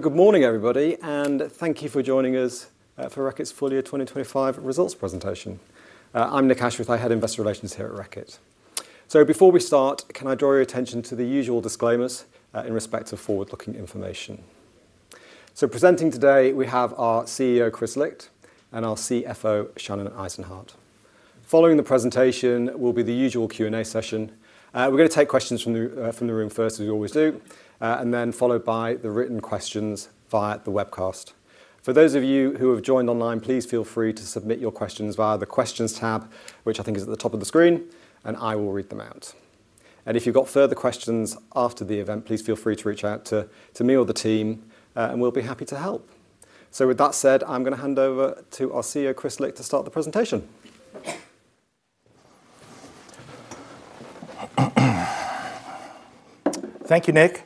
Good morning, everybody, and thank you for joining us for Reckitt's full year 2025 results presentation. I'm Nick Ashworth, Head Investor Relations here at Reckitt. Before we start, can I draw your attention to the usual disclaimers in respect to forward-looking information. Presenting today, we have our CEO, Kris Licht, and our CFO, Shannon Eisenhardt. Following the presentation will be the usual Q&A session. We're gonna take questions from the room first, as we always do, and then followed by the written questions via the webcast. For those of you who have joined online, please feel free to submit your questions via the questions tab, which I think is at the top of the screen, and I will read them out. If you've got further questions after the event, please feel free to reach out to me or the team, and we'll be happy to help. With that said, I'm gonna hand over to our CEO, Kris Licht, to start the presentation. Thank you, Nick.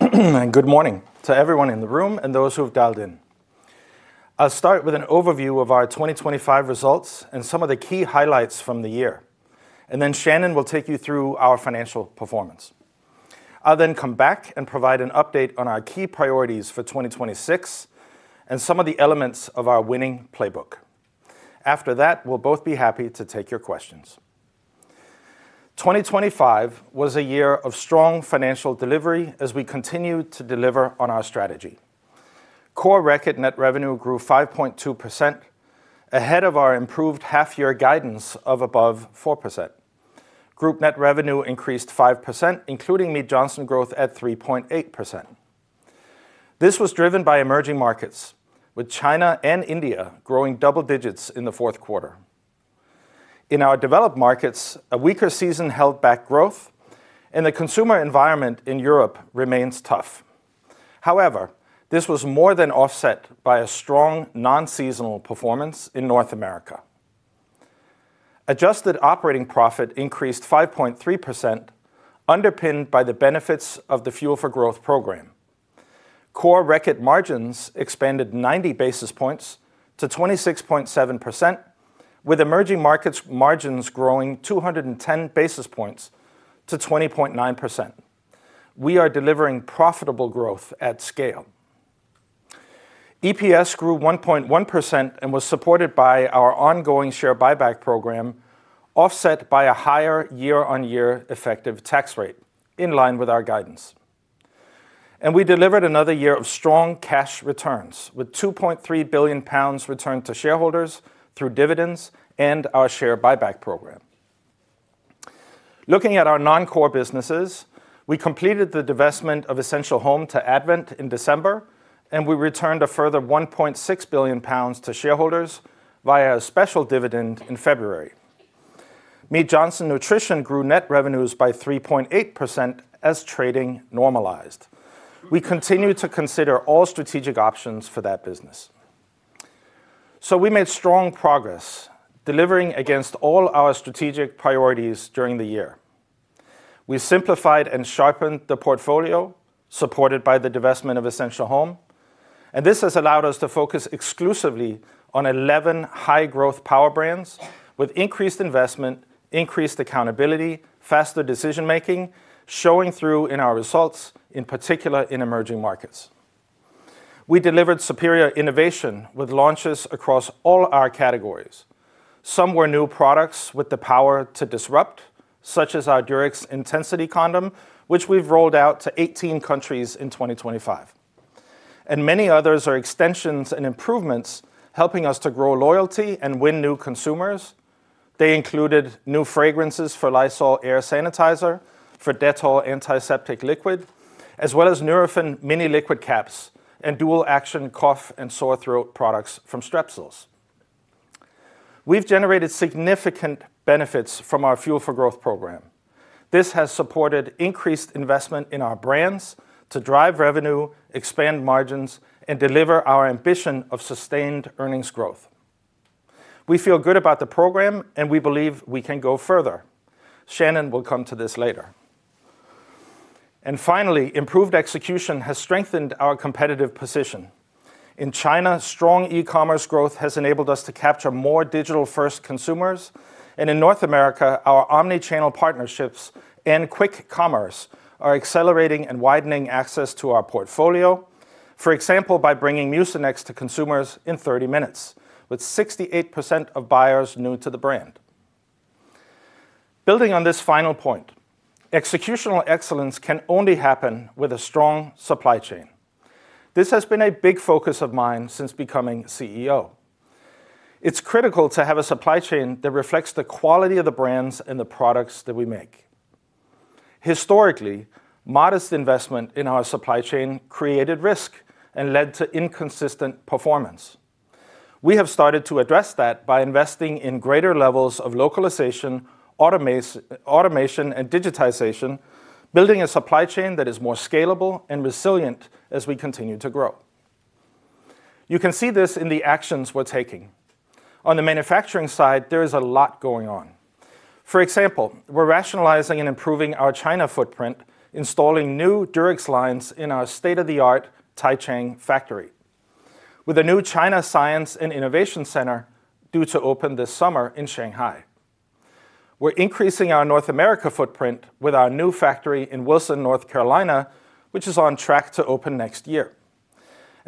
Good morning to everyone in the room and those who have dialed in. I'll start with an overview of our 2025 results and some of the key highlights from the year. Shannon will take you through our financial performance. I'll come back and provide an update on our key priorities for 2026 and some of the elements of our winning playbook. After that, we'll both be happy to take your questions. 2025 was a year of strong financial delivery as we continued to deliver on our strategy. Core Reckitt net revenue grew 5.2%, ahead of our improved half-year guidance of above 4%. Group net revenue increased 5%, including Mead Johnson growth at 3.8%. This was driven by emerging markets, with China and India growing double digits in the fourth quarter. In our developed markets, a weaker season held back growth, and the consumer environment in Europe remains tough. However, this was more than offset by a strong non-seasonal performance in North America. Adjusted operating profit increased 5.3%, underpinned by the benefits of the Fuel for Growth program. Core Reckitt margins expanded 90 basis points to 26.7%, with emerging markets margins growing 210 basis points to 20.9%. We are delivering profitable growth at scale. EPS grew 1.1% and was supported by our ongoing share buyback program, offset by a higher year-on-year effective tax rate in line with our guidance. We delivered another year of strong cash returns, with 2.3 billion pounds returned to shareholders through dividends and our share buyback program. Looking at our non-core businesses, we completed the divestment of Essential Home to Advent in December, and we returned a further 1.6 billion pounds to shareholders via a special dividend in February. Mead Johnson Nutrition grew net revenues by 3.8% as trading normalized. We continue to consider all strategic options for that business. We made strong progress delivering against all our strategic priorities during the year. We simplified and sharpened the portfolio supported by the divestment of Essential Home, and this has allowed us to focus exclusively on 11 high-growth Powerbrands with increased investment, increased accountability, faster decision-making, showing through in our results, in particular in emerging markets. We delivered superior innovation with launches across all our categories. Some were new products with the power to disrupt, such as our Durex Intensity condom, which we've rolled out to 18 countries in 2025. many others are extensions and improvements, helping us to grow loyalty and win new consumers. They included new fragrances for Lysol air sanitizer, for Dettol antiseptic liquid, as well as Nurofen mini liquid caps and dual action cough and sore throat products from Strepsils. We've generated significant benefits from our Fuel for Growth program. This has supported increased investment in our brands to drive revenue, expand margins, and deliver our ambition of sustained earnings growth. We feel good about the program, and we believe we can go further. Shannon will come to this later. Finally, improved execution has strengthened our competitive position. In China, strong e-commerce growth has enabled us to capture more digital-first consumers. In North America, our omni-channel partnerships and quick commerce are accelerating and widening access to our portfolio. For example, by bringing Mucinex to consumers in 30 minutes, with 68% of buyers new to the brand. Building on this final point, executional excellence can only happen with a strong supply chain. This has been a big focus of mine since becoming CEO. It's critical to have a supply chain that reflects the quality of the brands and the products that we make. Historically, modest investment in our supply chain created risk and led to inconsistent performance. We have started to address that by investing in greater levels of localization, automation and digitization, building a supply chain that is more scalable and resilient as we continue to grow. You can see this in the actions we're taking. On the manufacturing side, there is a lot going on. For example, we're rationalizing and improving our China footprint, installing new Durex lines in our state-of-the-art Taicang factory with a new China Science and Innovation Center due to open this summer in Shanghai. We're increasing our North America footprint with our new factory in Wilson, North Carolina, which is on track to open next year.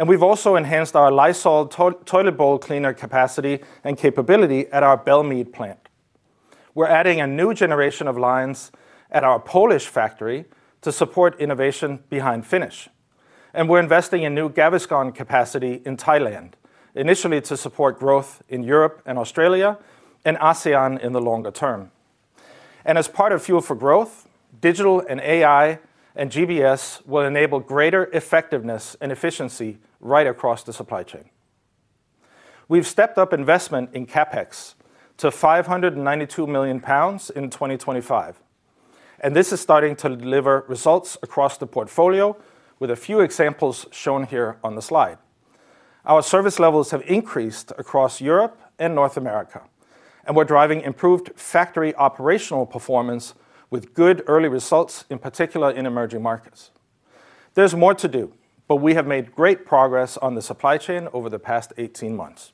We've also enhanced our Lysol toilet bowl cleaner capacity and capability at our Belle Mead plant. We're adding a new generation of lines at our Polish factory to support innovation behind Finish. We're investing in new Gaviscon capacity in Thailand, initially to support growth in Europe and Australia and ASEAN in the longer term. As part of Fuel for Growth, digital and AI and GBS will enable greater effectiveness and efficiency right across the supply chain. We've stepped up investment in CapEx to 592 million pounds in 2025. This is starting to deliver results across the portfolio with a few examples shown here on the slide. Our service levels have increased across Europe and North America. We're driving improved factory operational performance with good early results, in particular in emerging markets. There's more to do. We have made great progress on the supply chain over the past 18 months.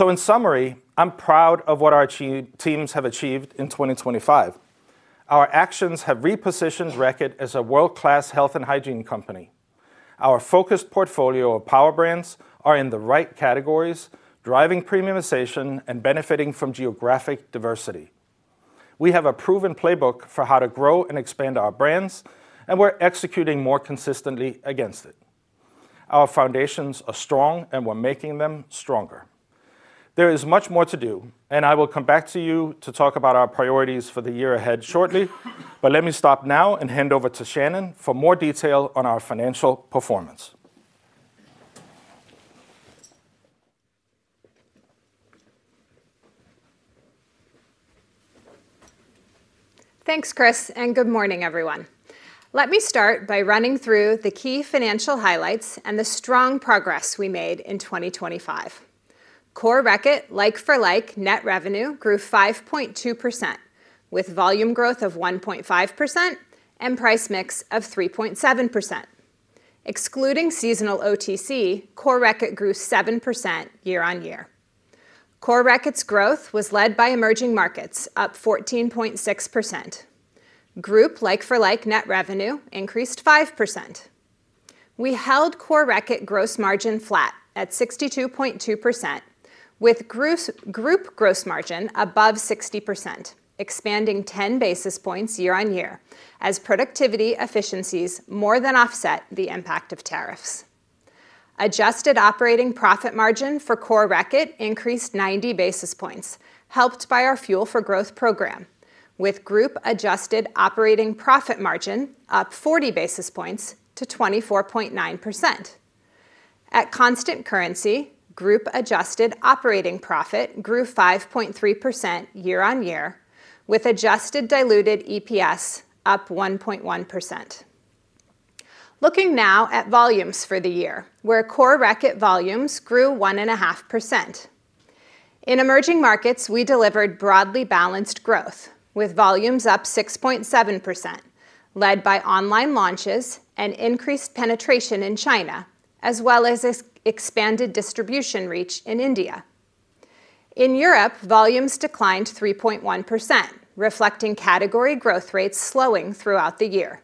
In summary, I'm proud of what our teams have achieved in 2025. Our actions have repositioned Reckitt as a world-class health and hygiene company. Our focused portfolio of Powerbrands are in the right categories, driving premiumization and benefiting from geographic diversity. We have a proven playbook for how to grow and expand our brands. We're executing more consistently against it. Our foundations are strong, and we're making them stronger. There is much more to do, and I will come back to you to talk about our priorities for the year ahead shortly. Let me stop now and hand over to Shannon for more detail on our financial performance. Thanks, Kris. Good morning, everyone. Let me start by running through the key financial highlights and the strong progress we made in 2025. Core Reckitt like-for-like net revenue grew 5.2%, with volume growth of 1.5% and price mix of 3.7%. Excluding seasonal OTC, Core Reckitt grew 7% year-on-year. Core Reckitt's growth was led by emerging markets up 14.6%. Group like-for-like net revenue increased 5%. We held Core Reckitt gross margin flat at 62.2% with group gross margin above 60%, expanding 10 basis points year-on-year as productivity efficiencies more than offset the impact of tariffs. Adjusted operating profit margin for Core Reckitt increased 90 basis points, helped by our Fuel for Growth program, with group adjusted operating profit margin up 40 basis points to 24.9%. At constant currency, group adjusted operating profit grew 5.3% year-on-year, with adjusted diluted EPS up 1.1%. Looking now at volumes for the year where Core Reckitt volumes grew 1.5%. In Emerging Markets, we delivered broadly balanced growth with volumes up 6.7%, led by online launches and increased penetration in China as well as expanded distribution reach in India. In Europe, volumes declined 3.1%, reflecting category growth rates slowing throughout the year.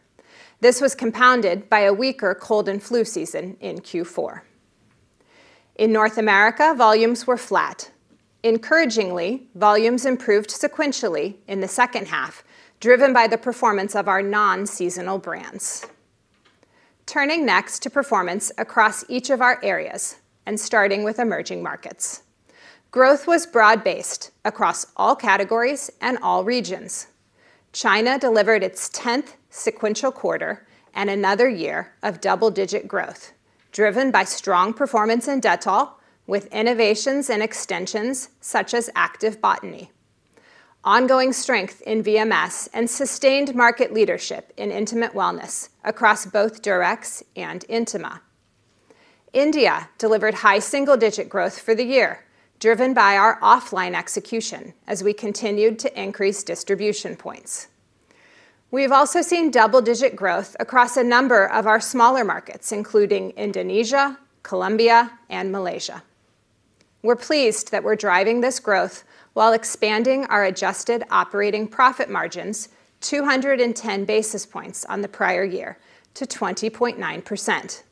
This was compounded by a weaker cold and flu season in Q4. In North America, volumes were flat. Encouragingly, volumes improved sequentially in the second half, driven by the performance of our non-seasonal brands. Turning next to performance across each of our areas and starting with Emerging Markets. Growth was broad-based across all categories and all regions. China delivered its 10th sequential quarter and another year of double-digit growth, driven by strong performance in Dettol with innovations and extensions such as Activ-Botany, ongoing strength in VMS, and sustained market leadership in Intimate Wellness across both Durex and Intima. India delivered high single-digit growth for the year, driven by our offline execution as we continued to increase distribution points. We have also seen double-digit growth across a number of our smaller markets, including Indonesia, Colombia, and Malaysia. We're pleased that we're driving this growth while expanding our adjusted operating profit margins 210 basis points on the prior year to 20.9%.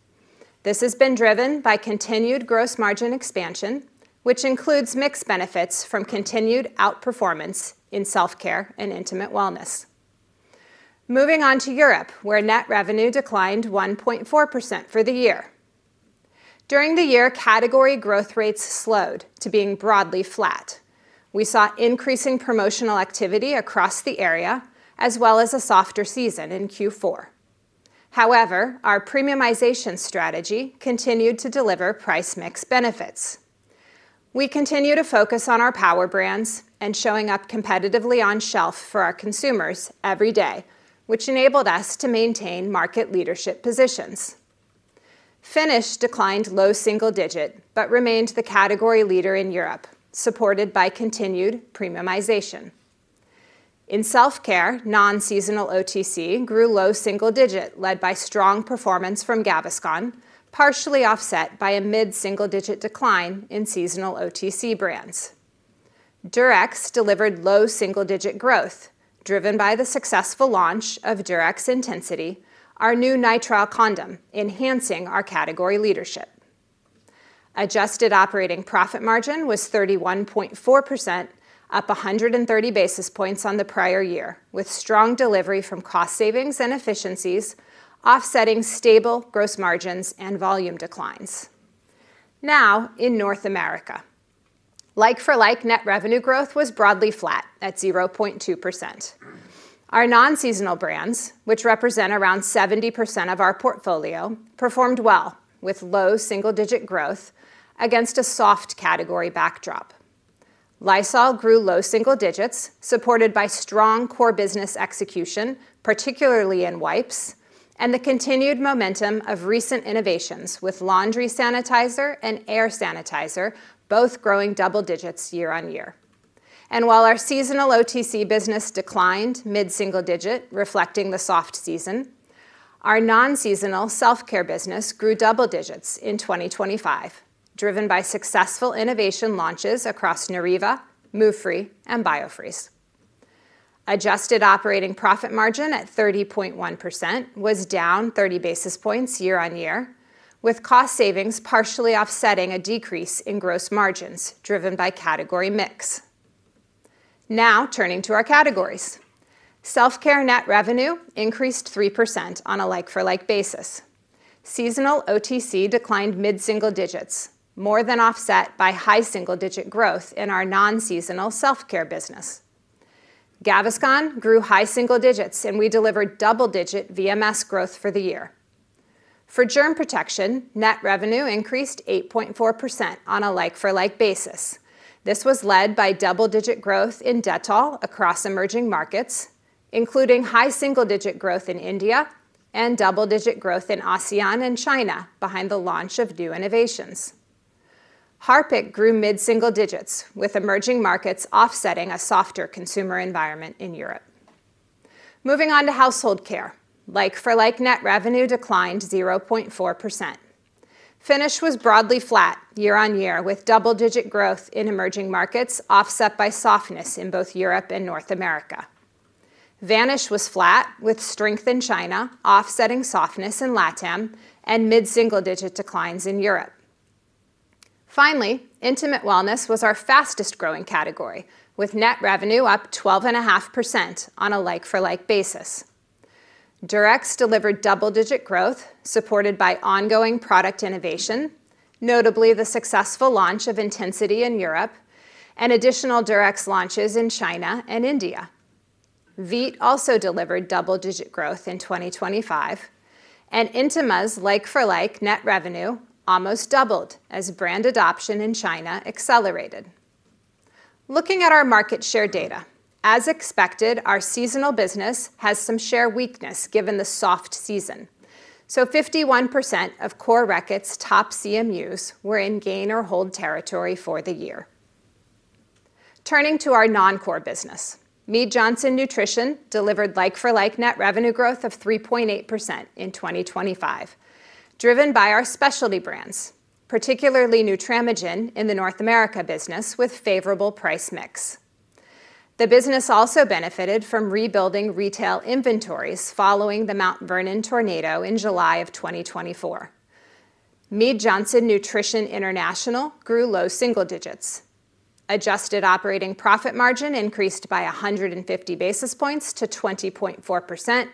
This has been driven by continued gross margin expansion, which includes mix benefits from continued outperformance in self-care and Intimate Wellness. Moving on to Europe, where net revenue declined 1.4% for the year. During the year, category growth rates slowed to being broadly flat. We saw increasing promotional activity across the area as well as a softer season in Q4. However, our premiumization strategy continued to deliver price mix benefits. We continue to focus on our Powerbrands and showing up competitively on shelf for our consumers every day, which enabled us to maintain market leadership positions. Finish declined low single-digit, but remained the category leader in Europe, supported by continued premiumization. In self-care, non-seasonal OTC grew low single-digit, led by strong performance from Gaviscon, partially offset by a mid-single-digit decline in seasonal OTC brands. Durex delivered low single-digit growth, driven by the successful launch of Durex Intensity, our new nitrile condom, enhancing our category leadership. Adjusted operating profit margin was 31.4%, up 130 basis points on the prior year, with strong delivery from cost savings and efficiencies offsetting stable gross margins and volume declines. In North America, like-for-like net revenue growth was broadly flat at 0.2%. Our non-seasonal brands, which represent around 70% of our portfolio, performed well with low single-digit growth against a soft category backdrop. Lysol grew low single digits, supported by strong core business execution, particularly in wipes, and the continued momentum of recent innovations with laundry sanitizer and air sanitizer both growing double digits year on year. While our seasonal OTC business declined mid-single digit, reflecting the soft season, our non-seasonal self-care business grew double digits in 2025, driven by successful innovation launches across Noreva, Move Free, and Biofreeze. Adjusted operating profit margin at 30.1% was down 30 basis points year-on-year, with cost savings partially offsetting a decrease in gross margins driven by category mix. Turning to our categories. Self-care net revenue increased 3% on a like-for-like basis. Seasonal OTC declined mid-single digits, more than offset by high single-digit growth in our non-seasonal self-care business. Gaviscon grew high single digits, and we delivered double-digit VMS growth for the year. For germ protection, net revenue increased 8.4% on a like-for-like basis. This was led by double-digit growth in Dettol across emerging markets, including high single-digit growth in India and double-digit growth in ASEAN and China behind the launch of new innovations. Harpic grew mid-single digits, with emerging markets offsetting a softer consumer environment in Europe. Moving on to household care. Like-for-like, net revenue declined 0.4%. Finish was broadly flat year on year with double-digit growth in emerging markets offset by softness in both Europe and North America. Vanish was flat with strength in China offsetting softness in LATAM and mid-single-digit declines in Europe. Finally, Intimate Wellness was our fastest-growing category, with net revenue up 12.5% on a like-for-like basis. Durex delivered double-digit growth supported by ongoing product innovation, notably the successful launch of Intensity in Europe and additional Durex launches in China and India. Veet also delivered double-digit growth in 2025, and Intima's like-for-like net revenue almost doubled as brand adoption in China accelerated. Looking at our market share data, as expected, our seasonal business has some share weakness given the soft season. 51% of Core Reckitt's top CMUs were in gain or hold territory for the year. Turning to our non-core business. Mead Johnson Nutrition delivered like-for-like net revenue growth of 3.8% in 2025, driven by our specialty brands, particularly Nutramigen in the North America business with favorable price mix. The business also benefited from rebuilding retail inventories following the Mount Vernon tornado in July of 2024. Mead Johnson Nutrition International grew low single digits. Adjusted operating profit margin increased by 150 basis points to 20.4%,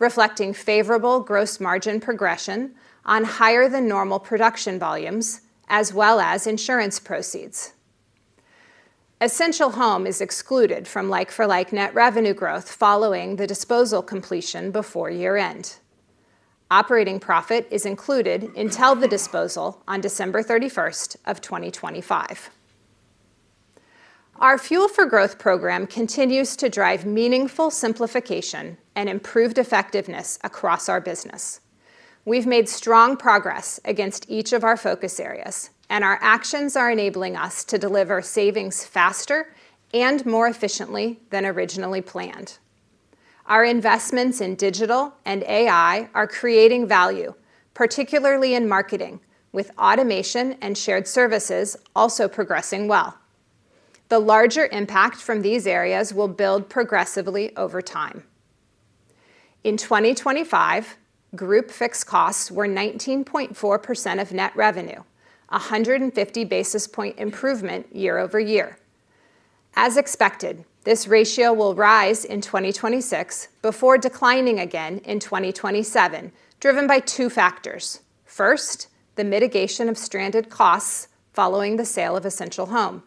reflecting favorable gross margin progression on higher than normal production volumes as well as insurance proceeds. Essential Home is excluded from like-for-like net revenue growth following the disposal completion before year-end. Operating profit is included until the disposal on December 31st of 2025. Our Fuel for Growth program continues to drive meaningful simplification and improved effectiveness across our business. We've made strong progress against each of our focus areas, and our actions are enabling us to deliver savings faster and more efficiently than originally planned. Our investments in digital and AI are creating value, particularly in marketing, with automation and shared services also progressing well. The larger impact from these areas will build progressively over time. In 2025, group fixed costs were 19.4% of net revenue, a 150 basis point improvement year-over-year. As expected, this ratio will rise in 2026 before declining again in 2027, driven by two factors. First, the mitigation of stranded costs following the sale of Essential Home,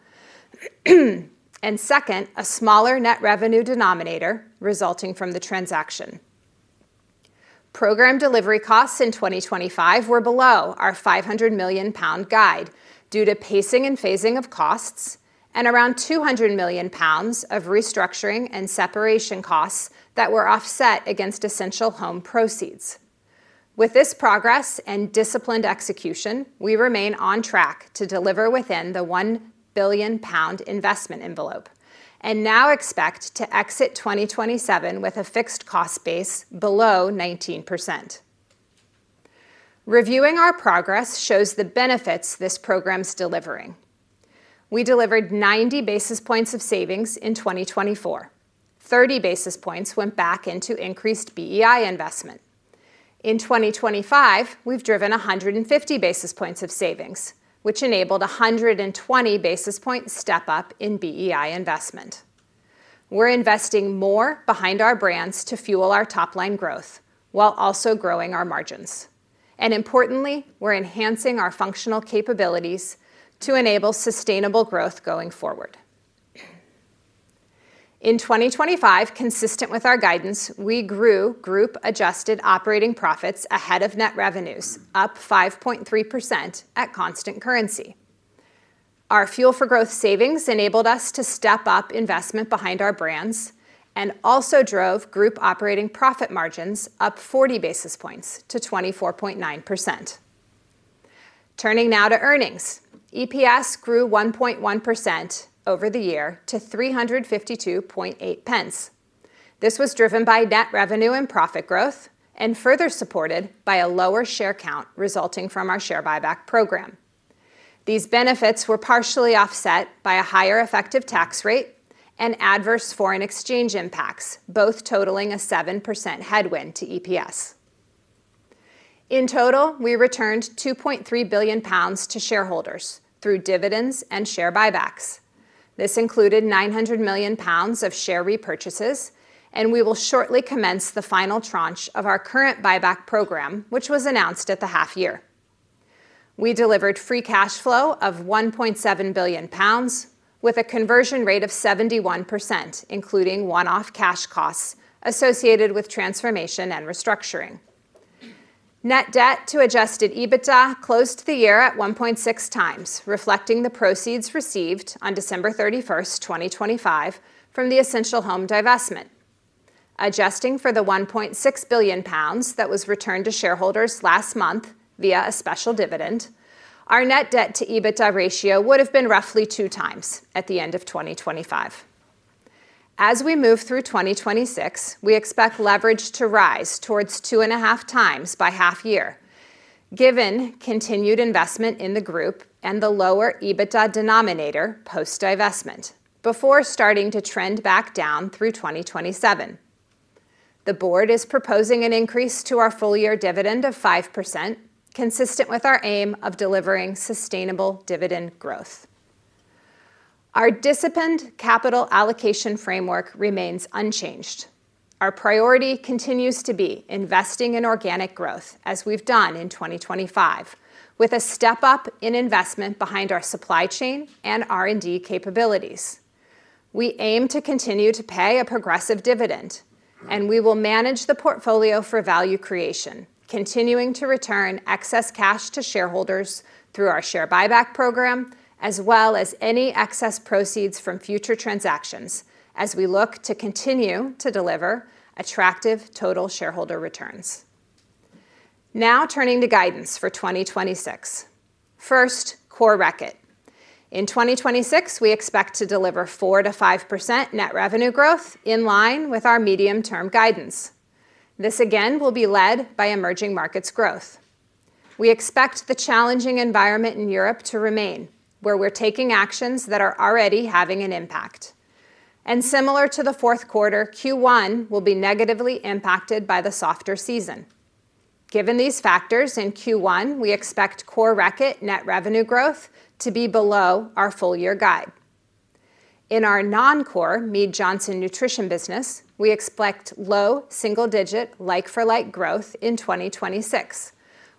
and second, a smaller net revenue denominator resulting from the transaction. Program delivery costs in 2025 were below our 500 million pound guide due to pacing and phasing of costs and around 200 million pounds of restructuring and separation costs that were offset against Essential Home proceeds. With this progress and disciplined execution, we remain on track to deliver within the 1 billion pound investment envelope and now expect to exit 2027 with a fixed cost base below 19%. Reviewing our progress shows the benefits this program's delivering. We delivered 90 basis points of savings in 2024. 30 basis points went back into increased BEI investment. In 2025, we've driven 150 basis points of savings, which enabled a 120 basis point step up in BEI investment. We're investing more behind our brands to fuel our top-line growth while also growing our margins. Importantly, we're enhancing our functional capabilities to enable sustainable growth going forward. In 2025, consistent with our guidance, we grew group adjusted operating profits ahead of net revenues, up 5.3% at constant currency. Our Fuel for Growth savings enabled us to step up investment behind our brands and also drove group operating profit margins up 40 basis points to 24.9%. Turning now to earnings. EPS grew 1.1% over the year to 352.8 pence. This was driven by net revenue and profit growth and further supported by a lower share count resulting from our share buyback program. These benefits were partially offset by a higher effective tax rate and adverse foreign exchange impacts, both totaling a 7% headwind to EPS. In total, we returned 2.3 billion pounds to shareholders through dividends and share buybacks. This included 900 million pounds of share repurchases. We will shortly commence the final tranche of our current buyback program, which was announced at the half year. We delivered free cash flow of 1.7 billion pounds with a conversion rate of 71%, including one-off cash costs associated with transformation and restructuring. Net debt to adjusted EBITDA closed the year at 1.6 times, reflecting the proceeds received on December 31st, 2025, from the Essential Home divestment. Adjusting for the 1.6 billion pounds that was returned to shareholders last month via a special dividend, our net debt to EBITDA ratio would have been roughly 2 times at the end of 2025. As we move through 2026, we expect leverage to rise towards 2.5x by half year, given continued investment in the group and the lower EBITDA denominator post-divestment before starting to trend back down through 2027. The board is proposing an increase to our full year dividend of 5%, consistent with our aim of delivering sustainable dividend growth. Our disciplined capital allocation framework remains unchanged. Our priority continues to be investing in organic growth as we've done in 2025, with a step up in investment behind our supply chain and R&D capabilities. We aim to continue to pay a progressive dividend. We will manage the portfolio for value creation, continuing to return excess cash to shareholders through our share buyback program, as well as any excess proceeds from future transactions as we look to continue to deliver attractive total shareholder returns. Turning to guidance for 2026. First, Core Reckitt. In 2026, we expect to deliver 4%-5% net revenue growth in line with our medium-term guidance. This again, will be led by emerging markets growth. We expect the challenging environment in Europe to remain where we're taking actions that are already having an impact. Similar to the fourth quarter, Q1 will be negatively impacted by the softer season. Given these factors in Q1, we expect Core Reckitt net revenue growth to be below our full year guide. In our non-Core Mead Johnson Nutrition business, we expect low single-digit like-for-like growth in 2026,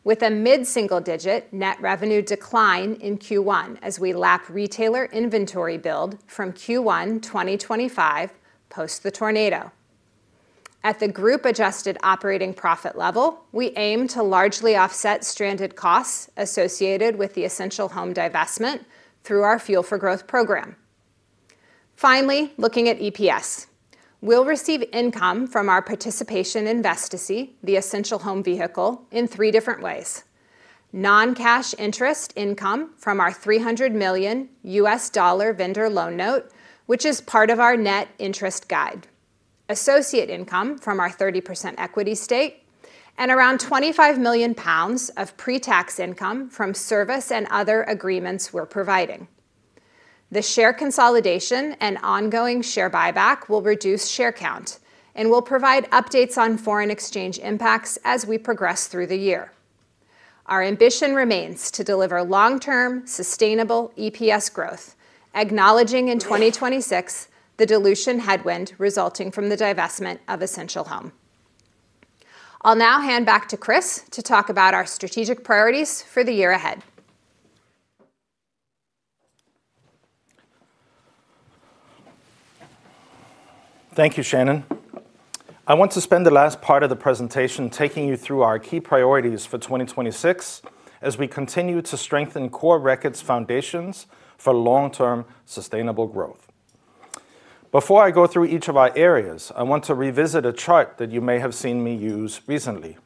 with a mid-single digit net revenue decline in Q1 as we lap retailer inventory build from Q1 2025 post the tornado. At the group adjusted operating profit level, we aim to largely offset stranded costs associated with the Essential Home divestment through our Fuel for Growth program. Looking at EPS. We'll receive income from our participation in Vesti, the Essential Home vehicle, in three different ways. Non-cash interest income from our $300 million U.S. dollar vendor loan note, which is part of our net interest guide, associate income from our 30% equity stake, and around 25 million pounds of pre-tax income from service and other agreements we're providing. The share consolidation and ongoing share buyback will reduce share count and will provide updates on foreign exchange impacts as we progress through the year. Our ambition remains to deliver long-term sustainable EPS growth, acknowledging in 2026 the dilution headwind resulting from the divestment of Essential Home. I'll now hand back to Kris to talk about our strategic priorities for the year ahead. Thank you, Shannon. I want to spend the last part of the presentation taking you through our key priorities for 2026 as we continue to strengthen Core Reckitt's foundations for long-term sustainable growth. Before I go through each of our areas, I want to revisit a chart that you may have seen me use recently.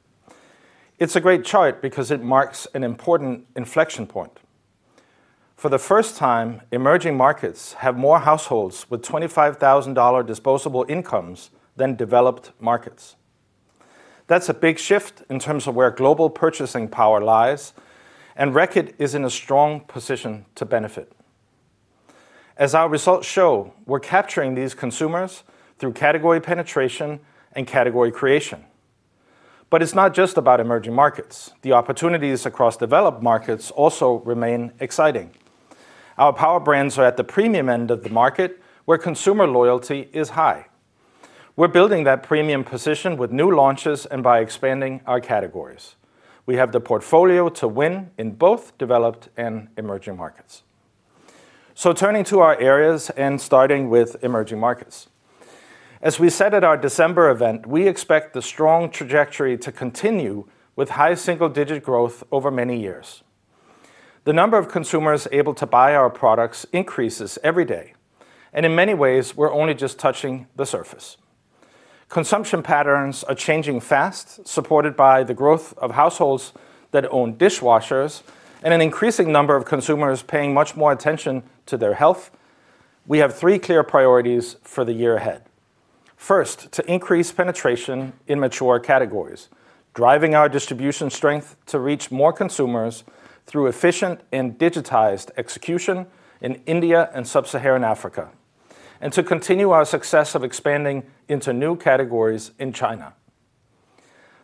It's a great chart because it marks an important inflection point. For the first time, emerging markets have more households with $25,000 disposable incomes than developed markets. That's a big shift in terms of where global purchasing power lies. Reckitt is in a strong position to benefit. As our results show, we're capturing these consumers through category penetration and category creation. It's not just about emerging markets. The opportunities across developed markets also remain exciting. Our power brands are at the premium end of the market where consumer loyalty is high. We're building that premium position with new launches and by expanding our categories. We have the portfolio to win in both developed and emerging markets. Turning to our areas and starting with emerging markets. As we said at our December event, we expect the strong trajectory to continue with high single-digit growth over many years. The number of consumers able to buy our products increases every day, and in many ways, we're only just touching the surface. Consumption patterns are changing fast, supported by the growth of households that own dishwashers and an increasing number of consumers paying much more attention to their health. We have three clear priorities for the year ahead. First, to increase penetration in mature categories, driving our distribution strength to reach more consumers through efficient and digitized execution in India and Sub-Saharan Africa, and to continue our success of expanding into new categories in China.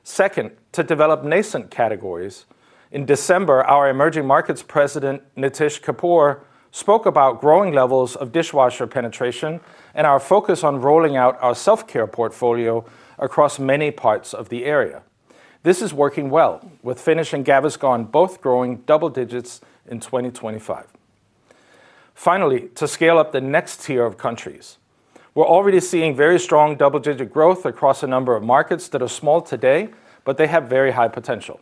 Second, to develop nascent categories. In December, our emerging markets president, Nitish Kapoor, spoke about growing levels of dishwasher penetration and our focus on rolling out our self-care portfolio across many parts of the area. This is working well, with Finish and Gaviscon both growing double digits in 2025. To scale up the next tier of countries. We're already seeing very strong double-digit growth across a number of markets that are small today, but they have very high potential.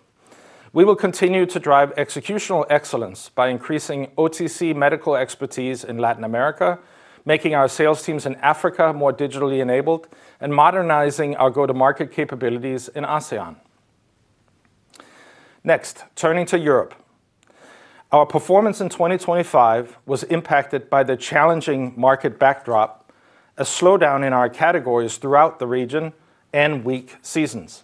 We will continue to drive executional excellence by increasing OTC medical expertise in Latin America, making our sales teams in Africa more digitally enabled, and modernizing our go-to-market capabilities in ASEAN. Turning to Europe. Our performance in 2025 was impacted by the challenging market backdrop, a slowdown in our categories throughout the region, and weak seasons.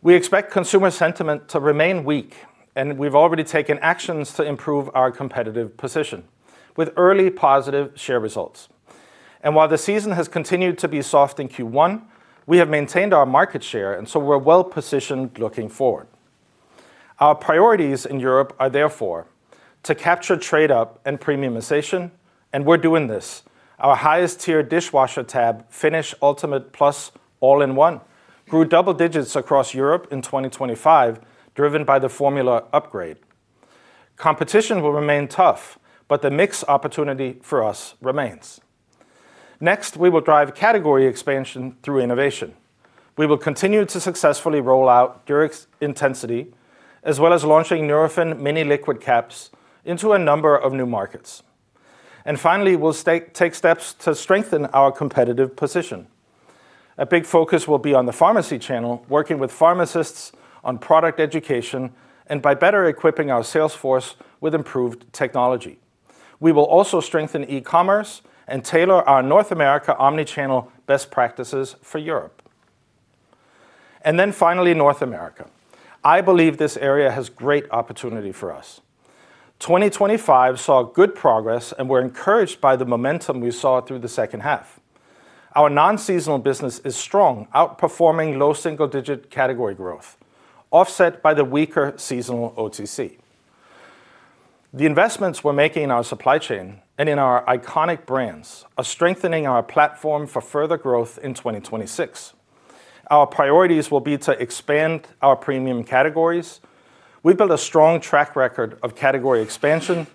We expect consumer sentiment to remain weak, and we've already taken actions to improve our competitive position with early positive share results. While the season has continued to be soft in Q1, we have maintained our market share, and so we're well-positioned looking forward. Our priorities in Europe are therefore to capture trade-up and premiumization, and we're doing this. Our highest tier dishwasher tab, Finish Ultimate Plus All-in-One, grew double digits across Europe in 2025, driven by the formula upgrade. Competition will remain tough, but the mix opportunity for us remains. We will drive category expansion through innovation. We will continue to successfully roll out Durex Intensity as well as launching Nurofen Mini Liquid Caps into a number of new markets. Finally, we'll take steps to strengthen our competitive position. A big focus will be on the pharmacy channel, working with pharmacists on product education and by better equipping our sales force with improved technology. We will also strengthen e-commerce and tailor our North America omni-channel best practices for Europe. Finally, North America. I believe this area has great opportunity for us. 2025 saw good progress, and we're encouraged by the momentum we saw through the second half. Our non-seasonal business is strong, outperforming low single-digit category growth, offset by the weaker seasonal OTC. The investments we're making in our supply chain and in our iconic brands are strengthening our platform for further growth in 2026. Our priorities will be to expand our premium categories. We've built a strong track record of category expansion,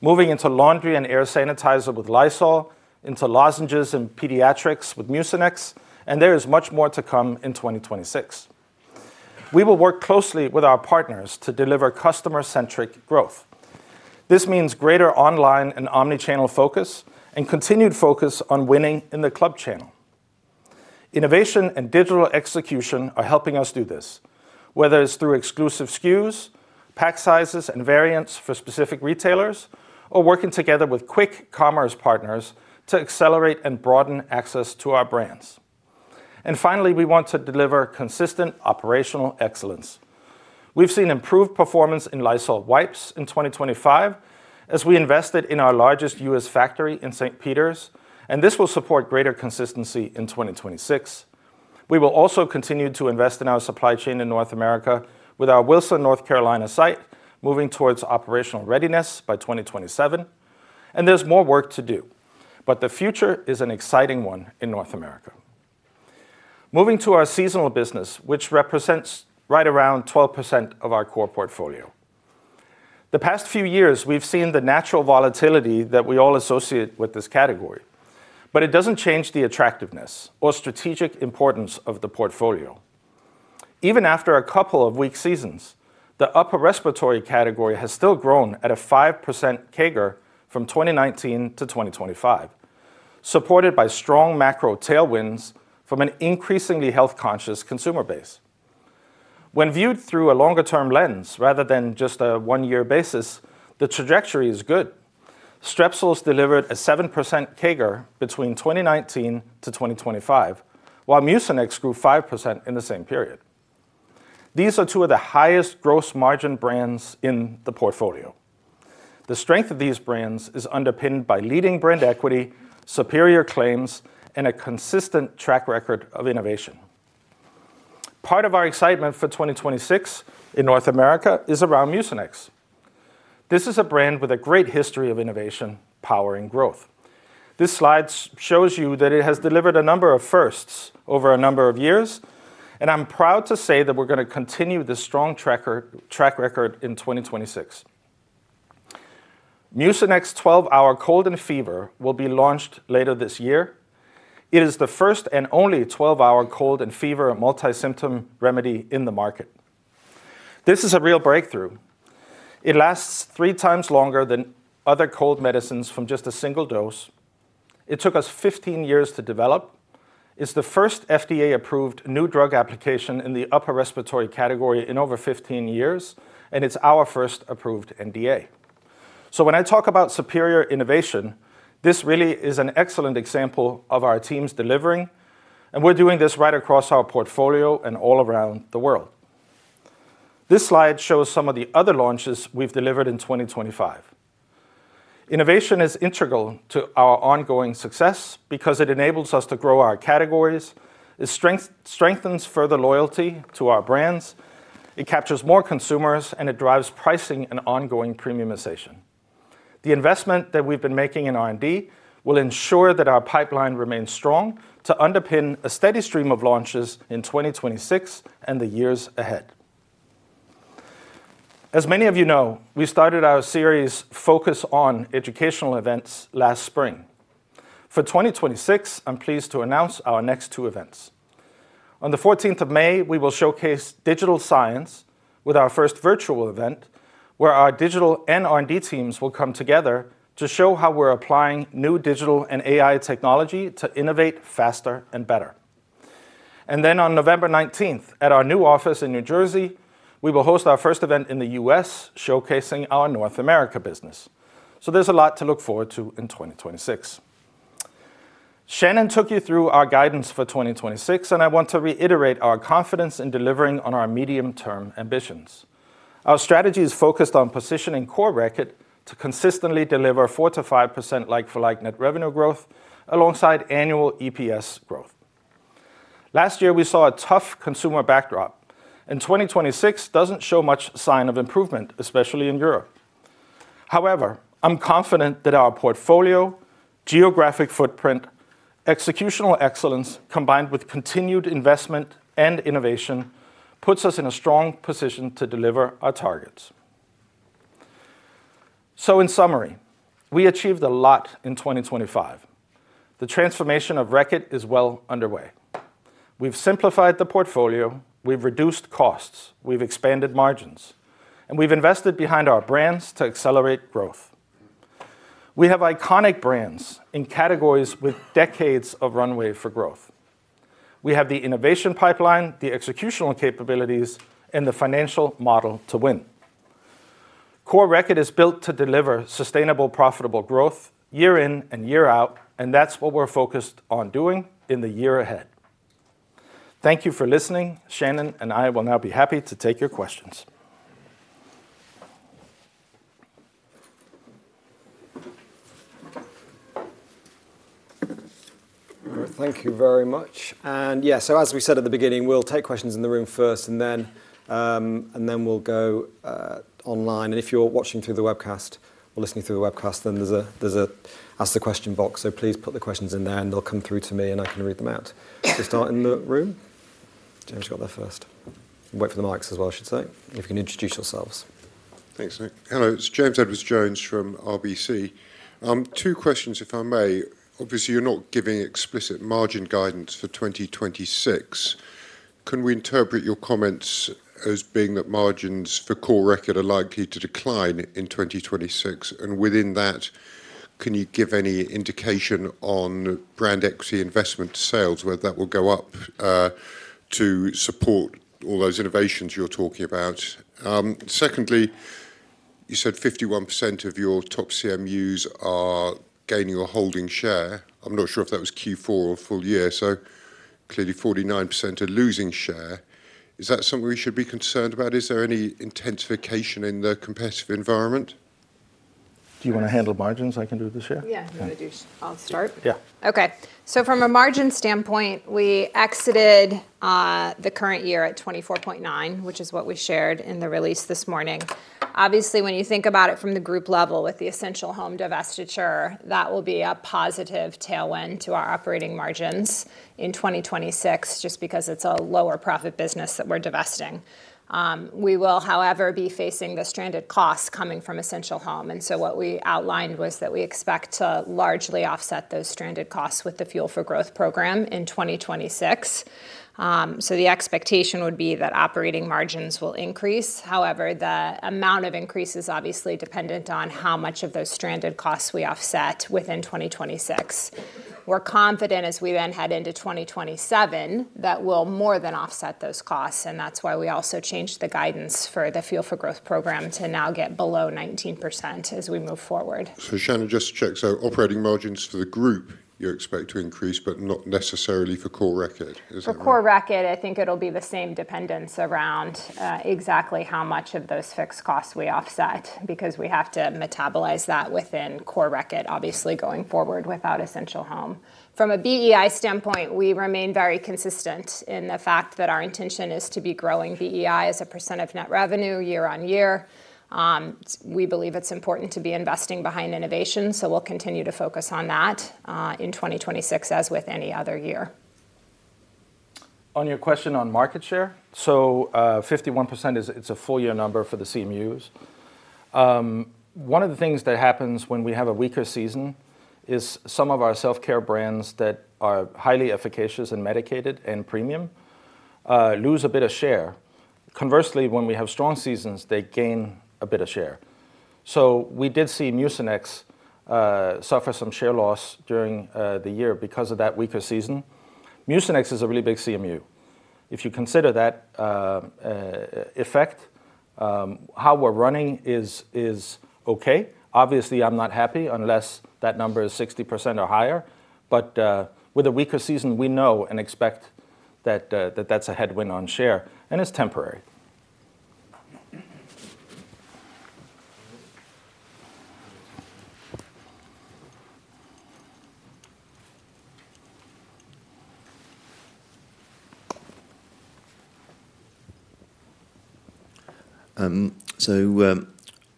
moving into laundry and air sanitizer with Lysol, into lozenges and pediatrics with Mucinex. There is much more to come in 2026. We will work closely with our partners to deliver customer-centric growth. This means greater online and omni-channel focus and continued focus on winning in the club channel. Innovation and digital execution are helping us do this, whether it's through exclusive SKUs, pack sizes and variants for specific retailers, or working together with quick commerce partners to accelerate and broaden access to our brands. Finally, we want to deliver consistent operational excellence. We've seen improved performance in Lysol wipes in 2025 as we invested in our largest U.S. factory in St. Peters, and this will support greater consistency in 2026. We will also continue to invest in our supply chain in North America with our Wilson, North Carolina site moving towards operational readiness by 2027, and there's more work to do, but the future is an exciting one in North America. Moving to our seasonal business, which represents right around 12% of our core portfolio. The past few years, we've seen the natural volatility that we all associate with this category, but it doesn't change the attractiveness or strategic importance of the portfolio. Even after a couple of weak seasons, the upper respiratory category has still grown at a 5% CAGR from 2019 to 2025, supported by strong macro tailwinds from an increasingly health-conscious consumer base. When viewed through a longer-term lens rather than just a one-year basis, the trajectory is good. Strepsils delivered a 7% CAGR between 2019 to 2025, while Mucinex grew 5% in the same period. These are two of the highest gross margin brands in the portfolio. The strength of these brands is underpinned by leading brand equity, superior claims, and a consistent track record of innovation. Part of our excitement for 2026 in North America is around Mucinex. This is a brand with a great history of innovation powering growth. This slide shows you that it has delivered a number of firsts over a number of years, and I'm proud to say that we're gonna continue this strong track record in 2026. Mucinex 12 Hour Cold and Fever will be launched later this year. It is the first and only 12-hour cold and fever multi-symptom remedy in the market. This is a real breakthrough. It lasts three times longer than other cold medicines from just a single dose. It took us 15 years to develop. It's the first FDA-approved new drug application in the upper respiratory category in over 15 years. It's our first approved NDA. When I talk about superior innovation, this really is an excellent example of our teams delivering. We're doing this right across our portfolio and all around the world. This slide shows some of the other launches we've delivered in 2025. Innovation is integral to our ongoing success because it enables us to grow our categories, it strengthens further loyalty to our brands, it captures more consumers. It drives pricing and ongoing premiumization. The investment that we've been making in R&D will ensure that our pipeline remains strong to underpin a steady stream of launches in 2026 and the years ahead. As many of you know, we started our series Focus On educational events last spring. For 2026, I'm pleased to announce our next two events. On the 14th of May, we will showcase digital science with our first virtual event, where our digital and R&D teams will come together to show how we're applying new digital and AI technology to innovate faster and better. On November 19th, at our new office in New Jersey, we will host our first event in the U.S. showcasing our North America business. There's a lot to look forward to in 2026. Shannon took you through our guidance for 2026, I want to reiterate our confidence in delivering on our medium-term ambitions. Our strategy is focused on positioning Core Reckitt to consistently deliver 4%-5% like-for-like net revenue growth alongside annual EPS growth. Last year, we saw a tough consumer backdrop. 2026 doesn't show much sign of improvement, especially in Europe. However, I'm confident that our portfolio, geographic footprint, executional excellence, combined with continued investment and innovation, puts us in a strong position to deliver our targets. In summary, we achieved a lot in 2025. The transformation of Reckitt is well underway. We've simplified the portfolio, we've reduced costs, we've expanded margins, and we've invested behind our brands to accelerate growth. We have iconic brands in categories with decades of runway for growth. We have the innovation pipeline, the executional capabilities, and the financial model to win. Core Reckitt is built to deliver sustainable, profitable growth year in and year out, and that's what we're focused on doing in the year ahead. Thank you for listening. Shannon and I will now be happy to take your questions. Thank you very much. Yeah, so as we said at the beginning, we'll take questions in the room first, and then we'll go online. If you're watching through the webcast or listening through the webcast, then there's a ask the question box. Please put the questions in there, and they'll come through to me, and I can read them out. We'll start in the room. James got there first. Wait for the mics as well I should say. If you can introduce yourselves. Thanks, Nick. Hello, it's James Edwardes Jones from RBC. Two questions if I may. Obviously, you're not giving explicit margin guidance for 2026. Can we interpret your comments as being that margins for Core Reckitt are likely to decline in 2026? Within that, can you give any indication on brand equity investment sales, whether that will go up to support all those innovations you're talking about? Secondly, you said 51% of your top CMUs are gaining or holding share. I'm not sure if that was Q4 or full year, so clearly 49% are losing share. Is that something we should be concerned about? Is there any intensification in the competitive environment? Do you wanna handle margins? I can do the share. Yeah. Okay. I'll start. Yeah. Okay. From a margin standpoint, we exited the current year at 24.9%, which is what we shared in the release this morning. When you think about it from the group level with the Essential Home divestiture, that will be a positive tailwind to our operating margins in 2026 just because it's a lower profit business that we're divesting. We will, however, be facing the stranded costs coming from Essential Home. What we outlined was that we expect to largely offset those stranded costs with the Fuel for Growth program in 2026. The expectation would be that operating margins will increase. However, the amount of increase is obviously dependent on how much of those stranded costs we offset within 2026. We're confident as we then head into 2027 that we'll more than offset those costs. That's why we also changed the guidance for the Fuel for Growth program to now get below 19% as we move forward. Shannon, just to check. Operating margins for the group you expect to increase, but not necessarily for Core Reckitt, is that right? For Core Reckitt, I think it'll be the same dependence around exactly how much of those fixed costs we offset because we have to metabolize that within Core Reckitt, obviously going forward without Essential Home. From a BEI standpoint, we remain very consistent in the fact that our intention is to be growing BEI as a percent of net revenue year on year. We believe it's important to be investing behind innovation, so we'll continue to focus on that in 2026 as with any other year. On your question on market share, 51% it's a full year number for the CMUs. One of the things that happens when we have a weaker season is some of our self-care brands that are highly efficacious and medicated and premium, lose a bit of share. Conversely, when we have strong seasons, they gain a bit of share. We did see Mucinex suffer some share loss during the year because of that weaker season. Mucinex is a really big CMU. If you consider that effect, how we're running is okay. Obviously, I'm not happy unless that number is 60% or higher. With a weaker season, we know and expect that that's a headwind on share, and it's temporary.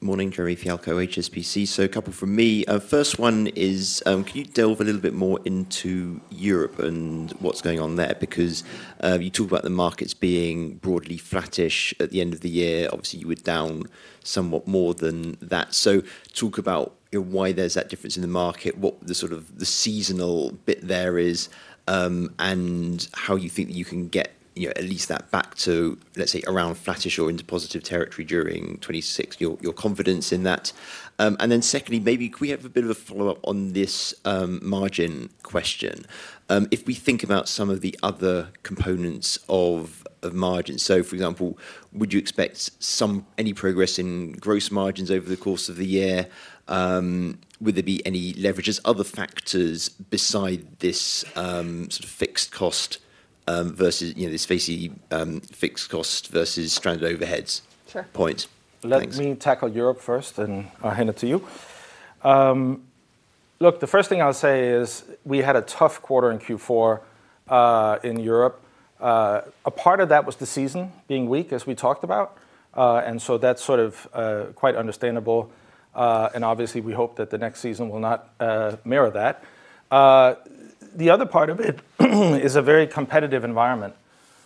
Morning, Jeremy Fialko, HSBC. A couple from me. First one is, can you delve a little bit more into Europe and what's going on there? Because, you talk about the markets being broadly flattish at the end of the year. Obviously, you were down somewhat more than that. Talk about why there's that difference in the market, what the sort of the seasonal bit there is, and how you think that you can get, you know, at least that back to, let's say, around flattish or into positive territory during 2026, your confidence in that. Secondly, maybe could we have a bit of a follow-up on this margin question? If we think about some of the other components of margins, so for example, would you expect any progress in gross margins over the course of the year? Would there be any leverages, other factors beside this, sort of fixed cost, versus, you know, this basically, fixed cost versus stranded overheads- Sure -point? Thanks. Let me tackle Europe first, and I'll hand it to you. Look, the first thing I'll say is we had a tough quarter in Q4, in Europe. A part of that was the season being weak, as we talked about. That's sort of quite understandable. Obviously, we hope that the next season will not mirror that. The other part of it is a very competitive environment.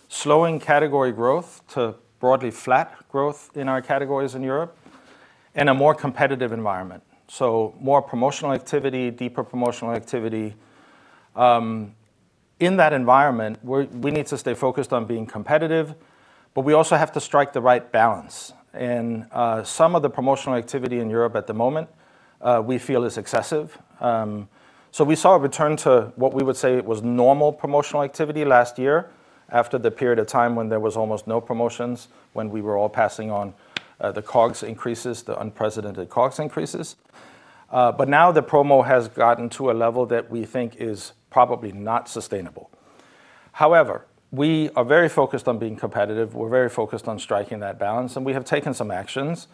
Slowing category growth to broadly flat growth in our categories in Europe and a more competitive environment. More promotional activity, deeper promotional activity. In that environment, we need to stay focused on being competitive, but we also have to strike the right balance. Some of the promotional activity in Europe at the moment, we feel is excessive. We saw a return to what we would say was normal promotional activity last year after the period of time when there was almost no promotions, when we were all passing on the COGS increases, the unprecedented COGS increases. Now the promo has gotten to a level that we think is probably not sustainable. However, we are very focused on being competitive. We're very focused on striking that balance, and we have taken some actions,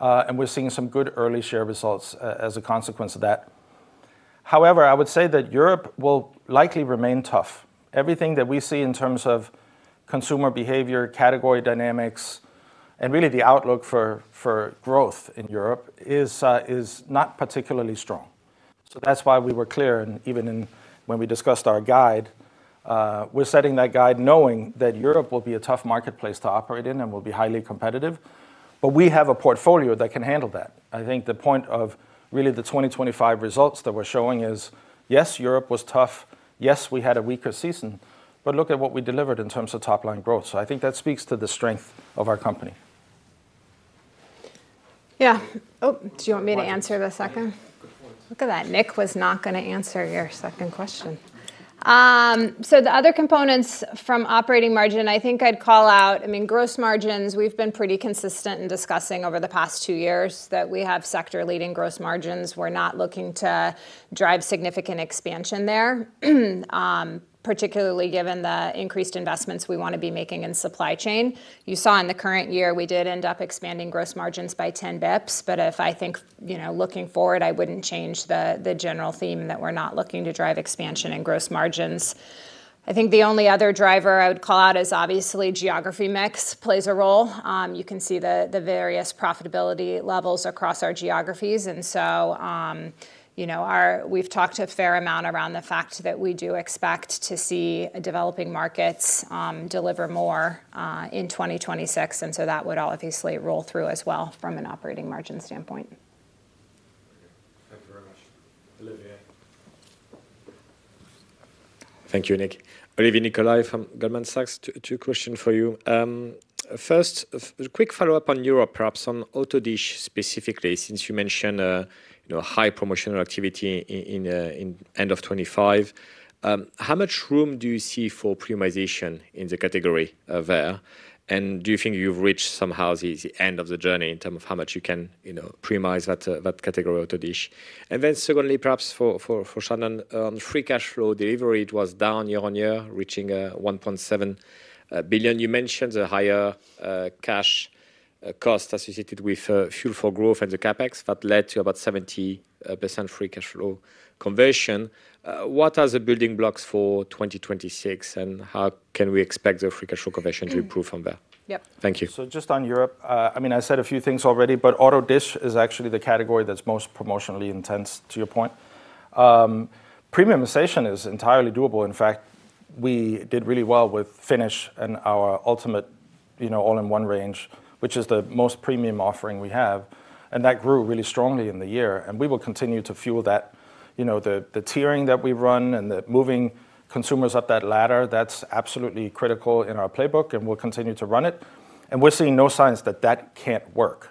and we're seeing some good early share results as a consequence of that. However, I would say that Europe will likely remain tough. Everything that we see in terms of consumer behavior, category dynamics, and really the outlook for growth in Europe is not particularly strong. That's why we were clear, even when we discussed our guide, we're setting that guide knowing that Europe will be a tough marketplace to operate in and will be highly competitive. We have a portfolio that can handle that. I think the point of really the 2025 results that we're showing is, yes, Europe was tough. Yes, we had a weaker season. Look at what we delivered in terms of top-line growth. I think that speaks to the strength of our company. Yeah. Oh, do you want me to answer the second? Look at that. Nick was not gonna answer your second question. The other components from operating margin, I think I'd call out, I mean, gross margins, we've been pretty consistent in discussing over the past two years that we have sector-leading gross margins. We're not looking to drive significant expansion there, particularly given the increased investments we wanna be making in supply chain. You saw in the current year, we did end up expanding gross margins by 10 basis points. If I think, you know, looking forward, I wouldn't change the general theme that we're not looking to drive expansion in gross margins. I think the only other driver I would call out is obviously geography mix plays a role. You can see the various profitability levels across our geographies. You know, we've talked a fair amount around the fact that we do expect to see developing markets deliver more in 2026, and so that would all obviously roll through as well from an operating margin standpoint. Thank you very much. Olivier. Thank you, Nick. Olivier Nicolai from Goldman Sachs. Two question for you. First, quick follow-up on Europe, perhaps on Auto Dish specifically, since you mentioned, you know, high promotional activity in end of 2025. How much room do you see for premiumization in the category there? Do you think you've reached somehow the end of the journey in terms of how much you can, you know, premiumize that category Auto Dish? Secondly, perhaps for Shannon, on free cash flow delivery, it was down year-over-year, reaching 1.7 billion. You mentioned the higher cash cost associated with Fuel for Growth and the CapEx that led to about 70% free cash flow conversion. What are the building blocks for 2026, and how can we expect the free cash flow conversion to improve from there? Yep. Thank you. Just on Europe, I mean, I said a few things already, Auto Dish is actually the category that's most promotionally intense, to your point. Premiumization is entirely doable. In fact, we did really well with Finish and our ultimate, you know, all-in-one range, which is the most premium offering we have, that grew really strongly in the year, we will continue to fuel that. You know, the tiering that we run and the moving consumers up that ladder, that's absolutely critical in our playbook, we'll continue to run it. We're seeing no signs that that can't work.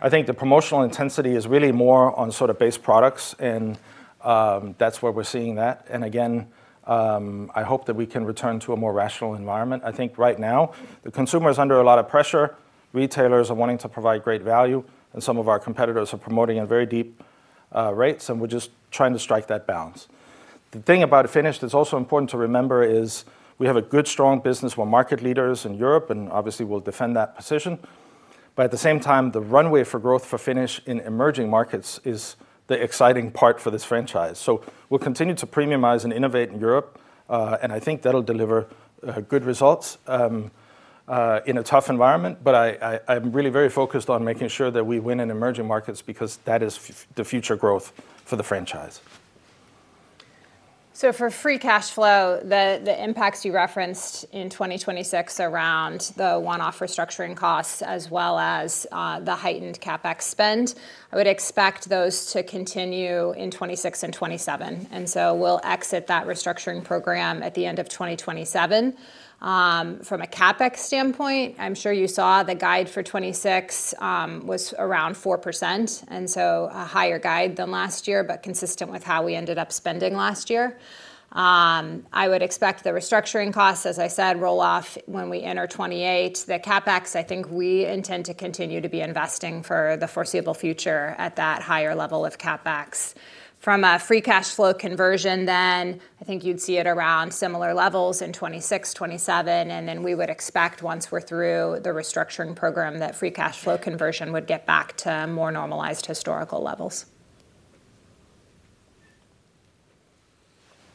I think the promotional intensity is really more on sort of base products, that's where we're seeing that. Again, I hope that we can return to a more rational environment. I think right now, the consumer is under a lot of pressure, retailers are wanting to provide great value, and some of our competitors are promoting at very deep rates, and we're just trying to strike that balance. The thing about Finish that's also important to remember is we have a good, strong business. We're market leaders in Europe, and obviously we'll defend that position. At the same time, the runway for growth for Finish in emerging markets is the exciting part for this franchise. We'll continue to premiumize and innovate in Europe, and I think that'll deliver good results in a tough environment. I'm really very focused on making sure that we win in emerging markets because that is the future growth for the franchise. For free cash flow, the impacts you referenced in 2026 around the one-off restructuring costs as well as the heightened CapEx spend, I would expect those to continue in 2026 and 2027. We'll exit that restructuring program at the end of 2027. From a CapEx standpoint, I'm sure you saw the guide for 2026 was around 4%, and so a higher guide than last year, but consistent with how we ended up spending last year. I would expect the restructuring costs, as I said, roll off when we enter 2028. The CapEx, I think we intend to continue to be investing for the foreseeable future at that higher level of CapEx. From a free cash flow conversion then, I think you'd see it around similar levels in 2026, 2027, and then we would expect once we're through the restructuring program, that free cash flow conversion would get back to more normalized historical levels.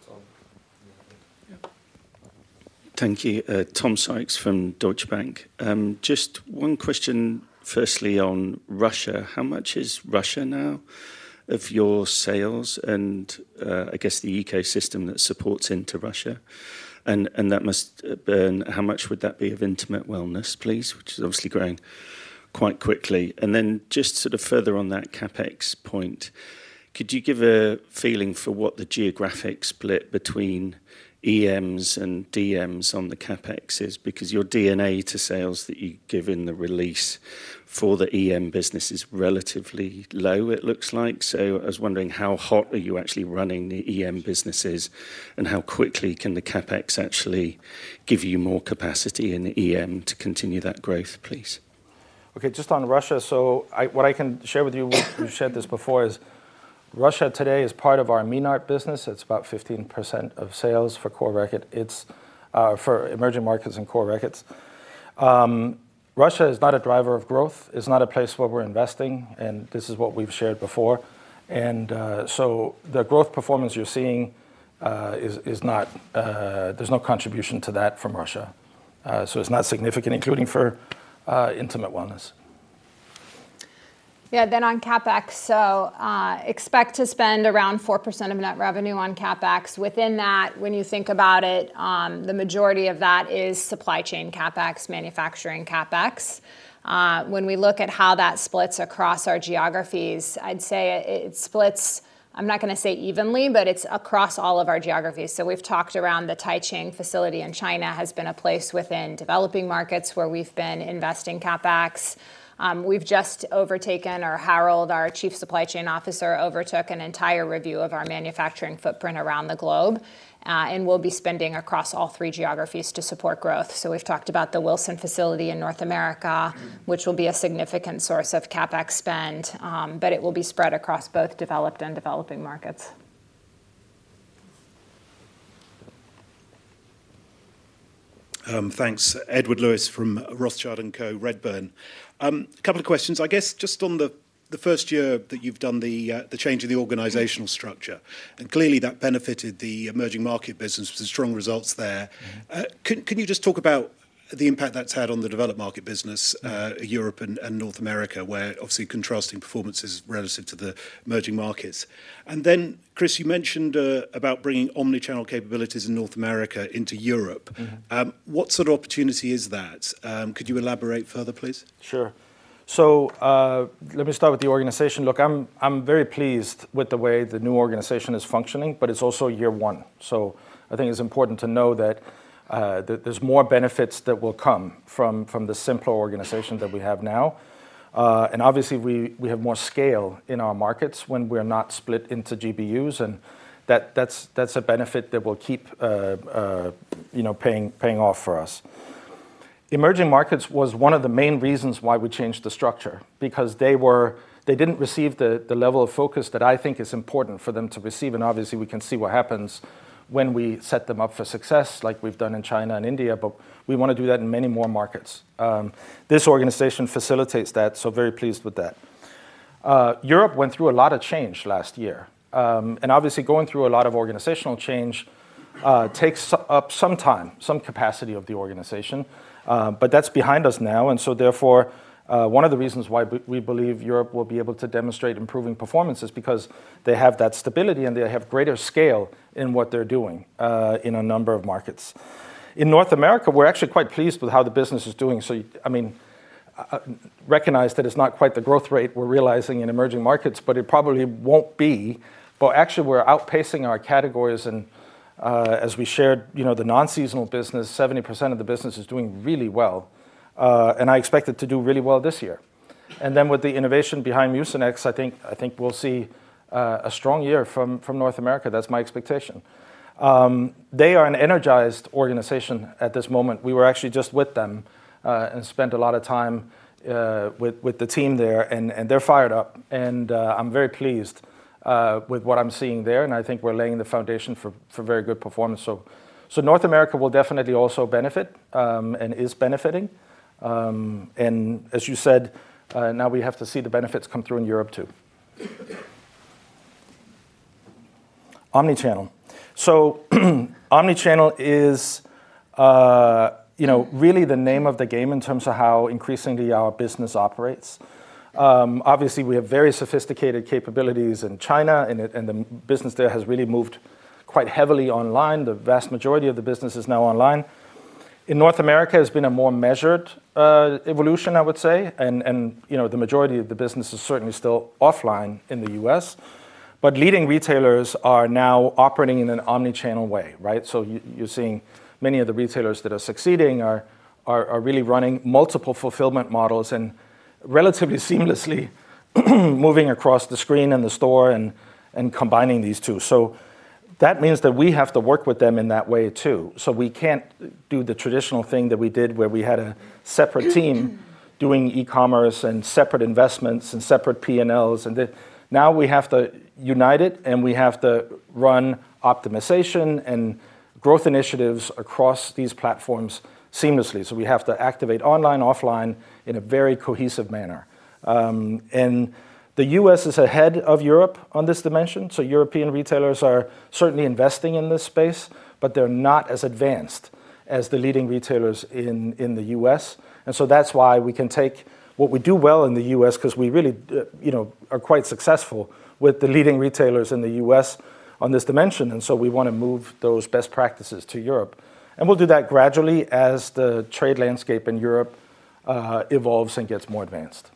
Tom. Yeah. Thank you. Tom Sykes from Deutsche Bank. Just one question firstly on Russia. How much is Russia now of your sales and I guess the ecosystem that supports into Russia? And that must and how much would that be of Intimate Wellness, please, which is obviously growing quite quickly? Then just sort of further on that CapEx point, could you give a feeling for what the geographic split between EMs and DMs on the CapEx is? Because your DNA to sales that you give in the release for the EM business is relatively low, it looks like. I was wondering how hot are you actually running the EM businesses, and how quickly can the CapEx actually give you more capacity in the EM to continue that growth, please? Okay, just on Russia. What I can share with you, we've shared this before, is Russia today is part of our MENART business. It's about 15% of sales for Core Reckitt. It's for emerging markets and Core Reckitt. Russia is not a driver of growth. It's not a place where we're investing, and this is what we've shared before. The growth performance you're seeing is not there's no contribution to that from Russia. It's not significant, including for Intimate Wellness. On CapEx. Expect to spend around 4% of net revenue on CapEx. Within that, when you think about it, the majority of that is supply chain CapEx, manufacturing CapEx. When we look at how that splits across our geographies, I'd say it splits, I'm not gonna say evenly, but it's across all of our geographies. We've talked around the Taicang facility in China has been a place within developing markets where we've been investing CapEx. We've just overtaken, or Harald, our Chief Supply Officer, overtook an entire review of our manufacturing footprint around the globe, and we'll be spending across all three geographies to support growth. We've talked about the Wilson facility in North America, which will be a significant source of CapEx spend, but it will be spread across both developed and developing markets. Thanks. Edward Lewis from Rothschild & Co Redburn. Couple of questions. I guess just on the first year that you've done the change in the organizational structure. Clearly that benefited the emerging market business with the strong results there. Can you just talk about the impact that's had on the developed market business, Europe and North America, where obviously contrasting performances relative to the emerging markets? Kris, you mentioned about bringing omni-channel capabilities in North America into Europe. Mm-hmm. What sort of opportunity is that? Could you elaborate further, please? Sure. Let me start with the organization. Look, I'm very pleased with the way the new organization is functioning, but it's also year one. I think it's important to know that there's more benefits that will come from the simpler organization that we have now. Obviously we have more scale in our markets when we're not split into GBUs, and that's a benefit that will keep, you know, paying off for us. Emerging markets was one of the main reasons why we changed the structure because they didn't receive the level of focus that I think is important for them to receive. Obviously we can see what happens when we set them up for success like we've done in China and India. We wanna do that in many more markets. This organization facilitates that, so very pleased with that. Europe went through a lot of change last year. Obviously going through a lot of organizational change takes up some time, some capacity of the organization. That's behind us now. Therefore, one of the reasons why we believe Europe will be able to demonstrate improving performance is because they have that stability, and they have greater scale in what they're doing in a number of markets. In North America, we're actually quite pleased with how the business is doing. I mean, recognize that it's not quite the growth rate we're realizing in emerging markets, but it probably won't be. Actually we're outpacing our categories and, as we shared, you know, the non-seasonal business, 70% of the business is doing really well. I expect it to do really well this year. With the innovation behind Mucinex, I think we'll see a strong year from North America. That's my expectation. They are an energized organization at this moment. We were actually just with them and spent a lot of time with the team there and they're fired up, and I'm very pleased with what I'm seeing there, and I think we're laying the foundation for very good performance. North America will definitely also benefit and is benefiting. As you said, now we have to see the benefits come through in Europe too. Omni-channel. Omni-channel is, you know, really the name of the game in terms of how increasingly our business operates. Obviously we have very sophisticated capabilities in China and the business there has really moved quite heavily online. The vast majority of the business is now online. In North America, it's been a more measured evolution, I would say. You know, the majority of the business is certainly still offline in the U.S., but leading retailers are now operating in an omni-channel way, right? You're seeing many of the retailers that are succeeding are really running multiple fulfillment models and relatively seamlessly moving across the screen and the store and combining these two. That means that we have to work with them in that way too. We can't do the traditional thing that we did where we had a separate team doing e-commerce and separate investments and separate P&Ls and now we have to unite it, and we have to run optimization and growth initiatives across these platforms seamlessly. We have to activate online, offline in a very cohesive manner. The U.S. is ahead of Europe on this dimension. European retailers are certainly investing in this space, but they're not as advanced as the leading retailers in the U.S. That's why we can take what we do well in the U.S. because we really, you know, are quite successful with the leading retailers in the U.S. on this dimension. We wanna move those best practices to Europe, and we'll do that gradually as the trade landscape in Europe evolves and gets more advanced.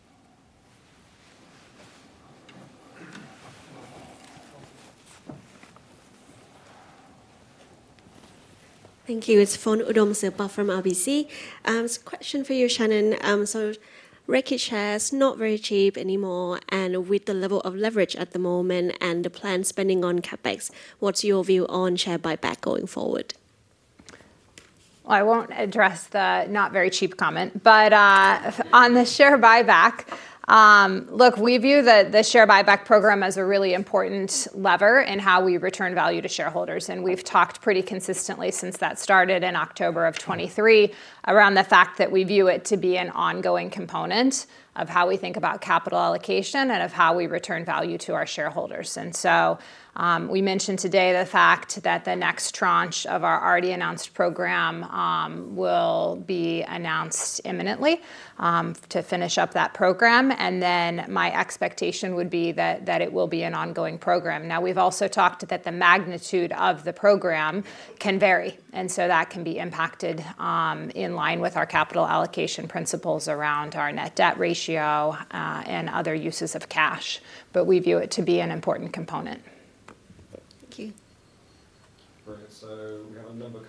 Thank you. It's Fon Udomsilpa from RBC. Question for you, Shannon. Reckitt shares not very cheap anymore, and with the level of leverage at the moment and the planned spending on CapEx, what's your view on share buyback going forward? Well, I won't address the not very cheap comment, but on the share buyback, look, we view the share buyback program as a really important lever in how we return value to shareholders. We've talked pretty consistently since that started in October of 2023 around the fact that we view it to be an ongoing component of how we think about capital allocation and of how we return value to our shareholders. So we mentioned today the fact that the next tranche of our already announced program, will be announced imminently, to finish up that program. Then my expectation would be that it will be an ongoing program. We've also talked that the magnitude of the program can vary, and so that can be impacted, in line with our capital allocation principles around our net debt ratio, and other uses of cash. We view it to be an important component. Thank you. Brilliant. We have a number coming in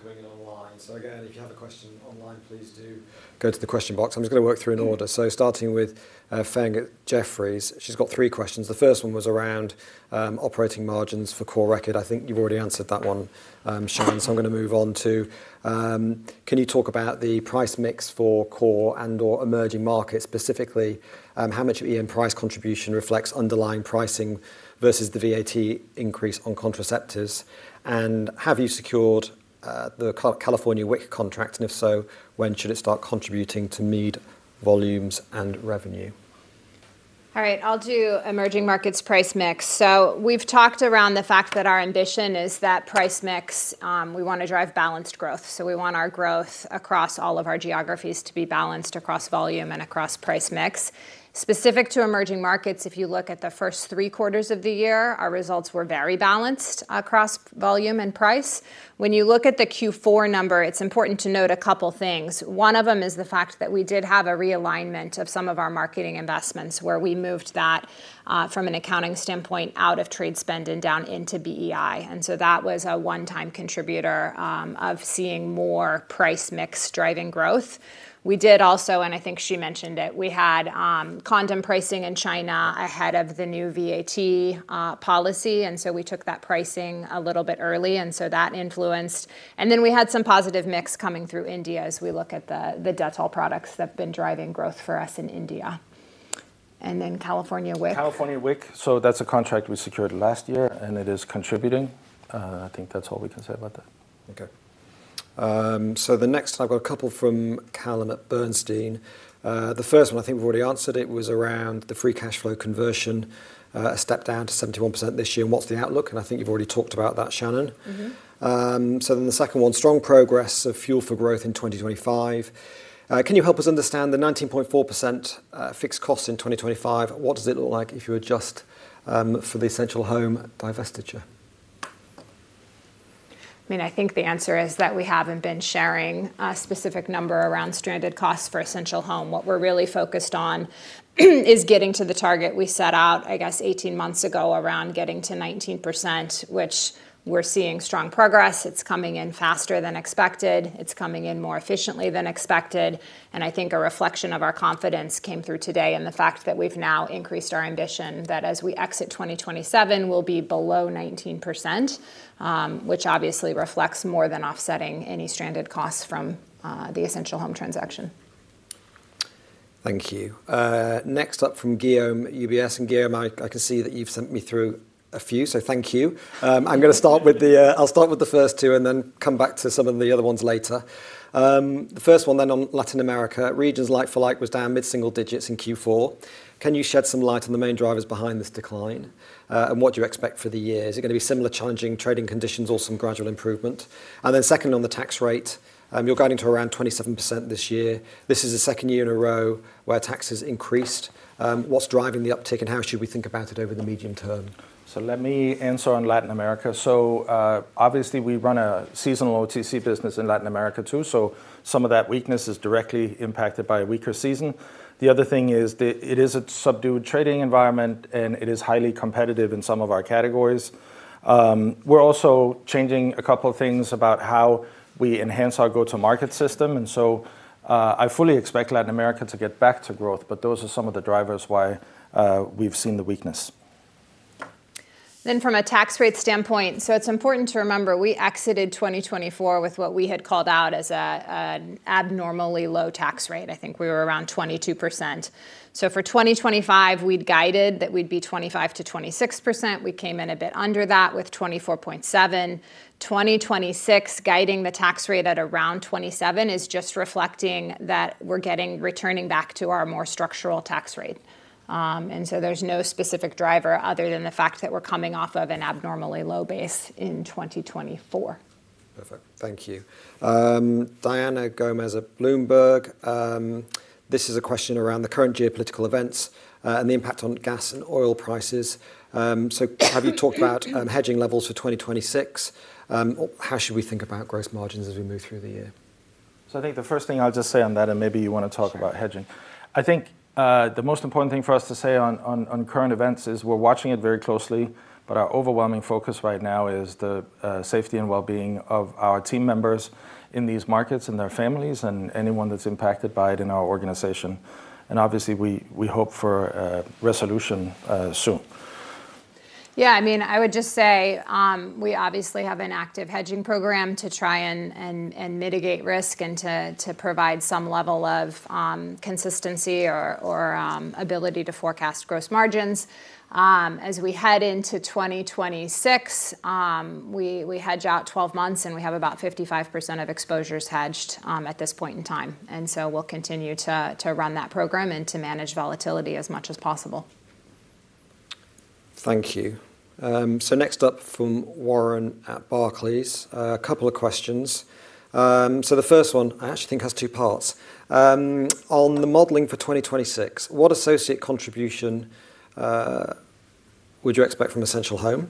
online. Again, if you have a question online, please do go to the question box. I'm just gonna work through in order. Starting with Feng at Jefferies. She's got three questions. The first one was around operating margins for Core Reckitt. I think you've already answered that one, Shannon. I'm gonna move on to, can you talk about the price mix for Core Reckitt and/or emerging markets, specifically, how much of EM price contribution reflects underlying pricing versus the VAT increase on contraceptives? Have you secured the California WIC contract? If so, when should it start contributing to Mead volumes and revenue? I'll do emerging markets price mix. We've talked around the fact that our ambition is that price mix, we wanna drive balanced growth. We want our growth across all of our geographies to be balanced across volume and across price mix. Specific to emerging markets, if you look at the first three quarters of the year, our results were very balanced across volume and price. When you look at the Q four number, it's important to note a couple things. One of them is the fact that we did have a realignment of some of our marketing investments where we moved that from an accounting standpoint out of trade spend and down into BEI. That was a one-time contributor of seeing more price mix driving growth. We did also, and I think she mentioned it, we had condom pricing in China ahead of the new VAT policy, and so we took that pricing a little bit early and so that influenced. We had some positive mix coming through India as we look at the Dettol products that have been driving growth for us in India. California WIC. California WIC. That's a contract we secured last year and it is contributing. I think that's all we can say about that. Okay. The next I've got a couple from Callum at Bernstein. The first one I think we've already answered it was around the free cash flow conversion, a step down to 71% this year and what's the outlook? I think you've already talked about that, Shannon. Mm-hmm. The second one, strong progress of Fuel for Growth in 2025. Can you help us understand the 19.4% fixed cost in 2025? What does it look like if you adjust for the Essential Home divestiture? I mean, I think the answer is that we haven't been sharing a specific number around stranded costs for Essential Home. What we're really focused on is getting to the target we set out, I guess 18 months ago around getting to 19% which we're seeing strong progress. It's coming in faster than expected. It's coming in more efficiently than expected. I think a reflection of our confidence came through today and the fact that we've now increased our ambition that as we exit 2027 we'll be below 19%, which obviously reflects more than offsetting any stranded costs from the Essential Home transaction. Thank you. Next up from Guillaume at UBS. Guillaume I can see that you've sent me through a few, so thank you. I'm gonna start with the, I'll start with the first two and then come back to some of the other ones later. The first one then on Latin America. Regions like-for-like was down mid-single digits in Q4. Can you shed some light on the main drivers behind this decline? What do you expect for the year? Is it gonna be similar challenging trading conditions or some gradual improvement? Then second on the tax rate. You're guiding to around 27% this year. This is the second year in a row where tax has increased. What's driving the uptick and how should we think about it over the medium term? Let me answer on Latin America. Obviously we run a seasonal OTC business in Latin America too, so some of that weakness is directly impacted by a weaker season. The other thing is that it is a subdued trading environment and it is highly competitive in some of our categories. We're also changing a couple of things about how we enhance our go-to-market system. I fully expect Latin America to get back to growth, but those are some of the drivers why we've seen the weakness. From a tax rate standpoint. It's important to remember we exited 2024 with what we had called out as an abnormally low tax rate. I think we were around 22%. For 2025 we'd guided that we'd be 25%-26%. We came in a bit under that with 24.7%. 2026 guiding the tax rate at around 27% is just reflecting that we're returning back to our more structural tax rate. There's no specific driver other than the fact that we're coming off of an abnormally low base in 2024. Perfect. Thank you. Diana Gomes at Bloomberg. This is a question around the current geopolitical events and the impact on gas and oil prices. Have you talked about hedging levels for 2026? How should we think about gross margins as we move through the year? I think the first thing I'll just say on that, and maybe you wanna talk about hedging. I think the most important thing for us to say on, on current events is we're watching it very closely, but our overwhelming focus right now is the safety and wellbeing of our team members in these markets and their families and anyone that's impacted by it in our organization. Obviously we hope for a resolution, soon. Yeah. I mean, I would just say, we obviously have an active hedging program to try and mitigate risk and to provide some level of consistency or ability to forecast gross margins. As we head into 2026, we hedge out 12 months and we have about 55% of exposures hedged, at this point in time. We'll continue to run that program and to manage volatility as much as possible. Thank you. Next up from Warren at Barclays, a couple of questions. The first one I actually think has two parts. On the modeling for 2026, what associate contribution would you expect from Essential Home?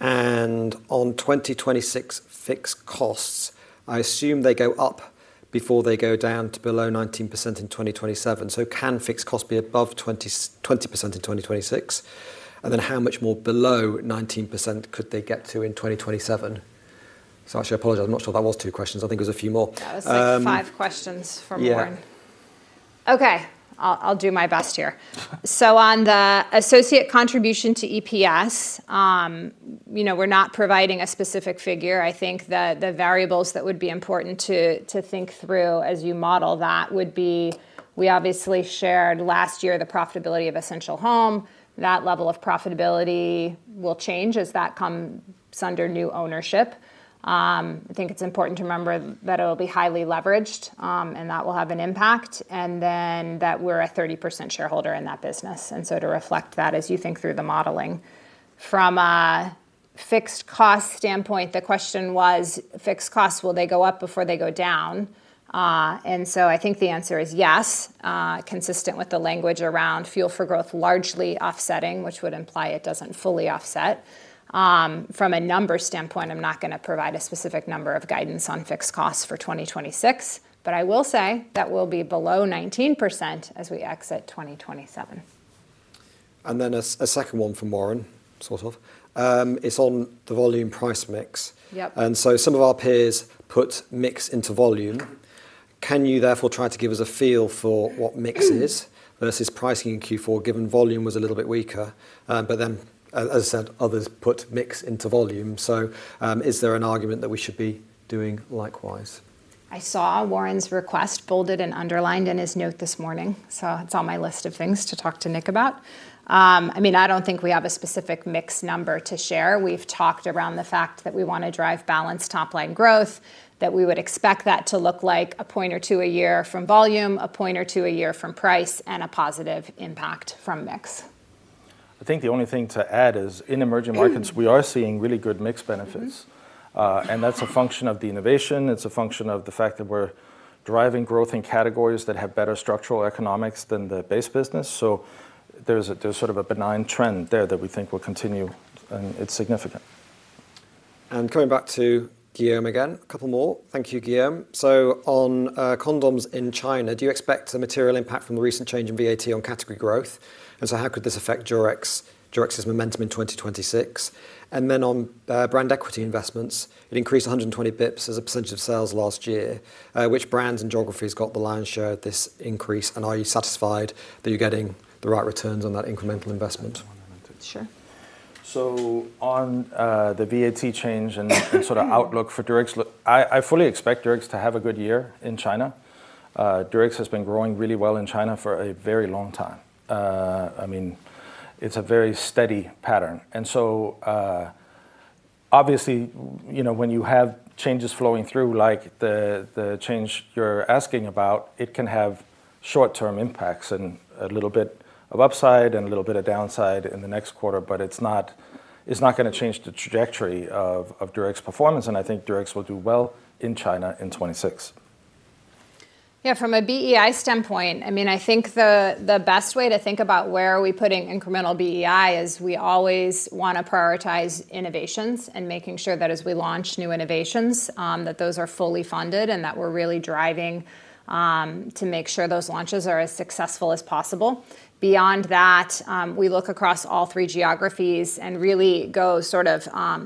On 2026 fixed costs, I assume they go up before they go down to below 19% in 2027. Can fixed costs be above 20% in 2026? How much more below 19% could they get to in 2027? I actually apologize. I'm not sure that was two questions. I think it was a few more. That was like five questions from Warren. Yeah. Okay. I'll do my best here. On the associate contribution to EPS, you know, we're not providing a specific figure. I think the variables that would be important to think through as you model that would be we obviously shared last year the profitability of Essential Home. That level of profitability will change as that comes under new ownership. I think it's important to remember that it'll be highly leveraged, and that will have an impact, and then that we're a 30% shareholder in that business, to reflect that as you think through the modeling. From a fixed cost standpoint, the question was fixed costs, will they go up before they go down? I think the answer is yes, consistent with the language around Fuel for Growth largely offsetting, which would imply it doesn't fully offset. From a number standpoint, I'm not gonna provide a specific number of guidance on fixed costs for 2026, but I will say that we'll be below 19% as we exit 2027. A second one from Warren, sort of. It's on the volume price mix. Yep. Some of our peers put mix into volume. Can you therefore try to give us a feel for what mix is versus pricing in Q4, given volume was a little bit weaker? As I said, others put mix into volume. Is there an argument that we should be doing likewise? I saw Warren's request bolded and underlined in his note this morning, so it's on my list of things to talk to Nick about. I mean, I don't think we have a specific mix number to share. We've talked around the fact that we wanna drive balanced top-line growth, that we would expect that to look like a point or 2 a year from volume, a point or 2 a year from price, and a positive impact from mix. I think the only thing to add is in emerging markets, we are seeing really good mix benefits. Mm-hmm. That's a function of the innovation. It's a function of the fact that we're driving growth in categories that have better structural economics than the base business. There's sort of a benign trend there that we think will continue, and it's significant. Coming back to Guillaume again, a couple more. Thank you, Guillaume. On condoms in China, do you expect a material impact from the recent change in VAT on category growth? How could this affect Durex's momentum in 2026? Then on brand equity investments, it increased 120 bips as a percent of sales last year. Which brands and geographies got the lion's share of this increase, and are you satisfied that you're getting the right returns on that incremental investment? Sure. On the VAT change and sort of outlook for Durex, look, I fully expect Durex to have a good year in China. Durex has been growing really well in China for a very long time. I mean, it's a very steady pattern. Obviously, you know, when you have changes flowing through, like the change you're asking about, it can have short-term impacts and a little bit of upside and a little bit of downside in the next quarter, but it's not, it's not gonna change the trajectory of Durex performance, and I think Durex will do well in China in 2026. Yeah. From a BEI standpoint, I mean, I think the best way to think about where are we putting incremental BEI is we always wanna prioritize innovations and making sure that as we launch new innovations, that those are fully funded and that we're really driving to make sure those launches are as successful as possible. Beyond that, we look across all three geographies and really go sort of,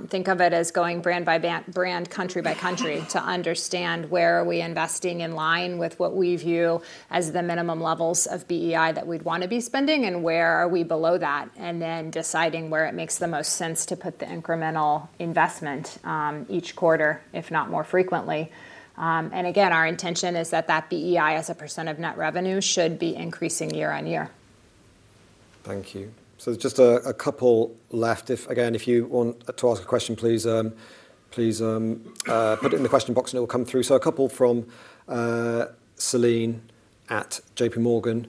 think of it as going brand by brand, country by country to understand where are we investing in line with what we view as the minimum levels of BEI that we'd wanna be spending and where are we below that, and then deciding where it makes the most sense to put the incremental investment each quarter, if not more frequently. Again, our intention is that that BEI as a percent of net revenue should be increasing year on year. Thank you. Just a couple left. If, again, if you want to ask a question, please put it in the question box and it will come through. A couple from Celine at JPMorgan.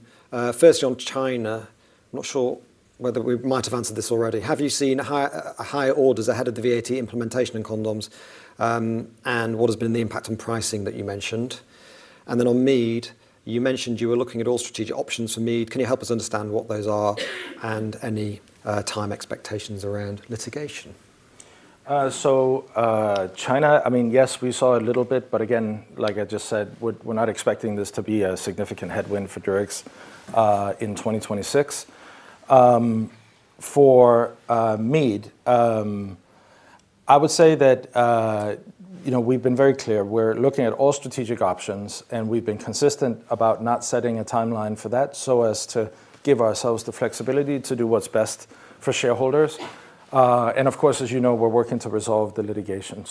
Firstly, on China, I'm not sure whether we might have answered this already. Have you seen higher orders ahead of the VAT implementation in condoms, and what has been the impact on pricing that you mentioned? On Mead, you mentioned you were looking at all strategic options for Mead. Can you help us understand what those are and any time expectations around litigation? China, I mean, yes, we saw a little bit, but again, like I just said, we're not expecting this to be a significant headwind for Durex in 2026. For Mead, I would say that, you know, we've been very clear. We're looking at all strategic options, and we've been consistent about not setting a timeline for that so as to give ourselves the flexibility to do what's best for shareholders. Of course, as you know, we're working to resolve the litigation.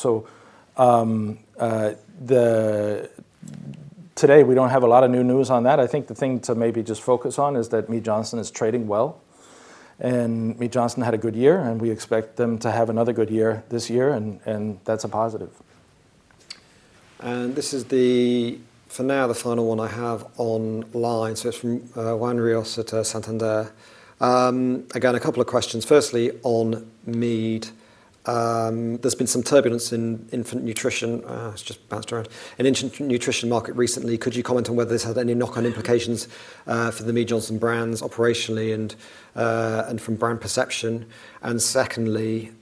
Today, we don't have a lot of new news on that. I think the thing to maybe just focus on is that Mead Johnson is trading well. Mead Johnson had a good year, and we expect them to have another good year this year and that's a positive. This is the, for now, the final one I have online. It's from Juan Rios at Santander. Again, a couple of questions. Firstly, on Mead, there's been some turbulence in infant nutrition market recently. Could you comment on whether this has any knock-on implications for the Mead Johnson brands operationally and from brand perception? Secondly,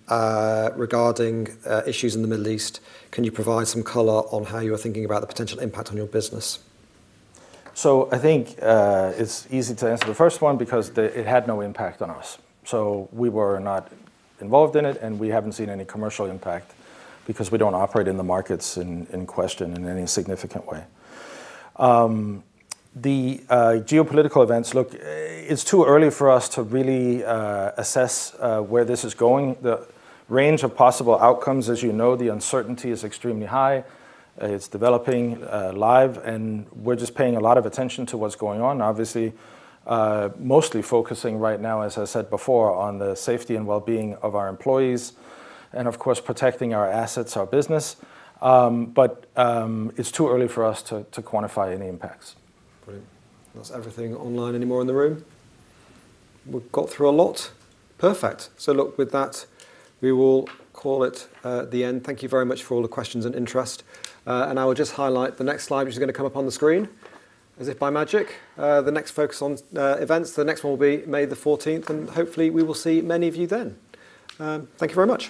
regarding issues in the Middle East, can you provide some color on how you are thinking about the potential impact on your business? I think it's easy to answer the first one because it had no impact on us. We were not involved in it, and we haven't seen any commercial impact because we don't operate in the markets in question in any significant way. The geopolitical events, look, it's too early for us to really assess where this is going. The range of possible outcomes, as you know, the uncertainty is extremely high. It's developing live, and we're just paying a lot of attention to what's going on. Obviously, mostly focusing right now, as I said before, on the safety and well-being of our employees and of course, protecting our assets, our business. It's too early for us to quantify any impacts. Brilliant. Unless everything online anymore in the room? We've got through a lot. Perfect. With that, we will call it the end. Thank you very much for all the questions and interest. I will just highlight the next slide, which is gonna come up on the screen as if by magic. The next Reckitt Focus On events, the next one will be May the 14th, and hopefully, we will see many of you then. Thank you very much.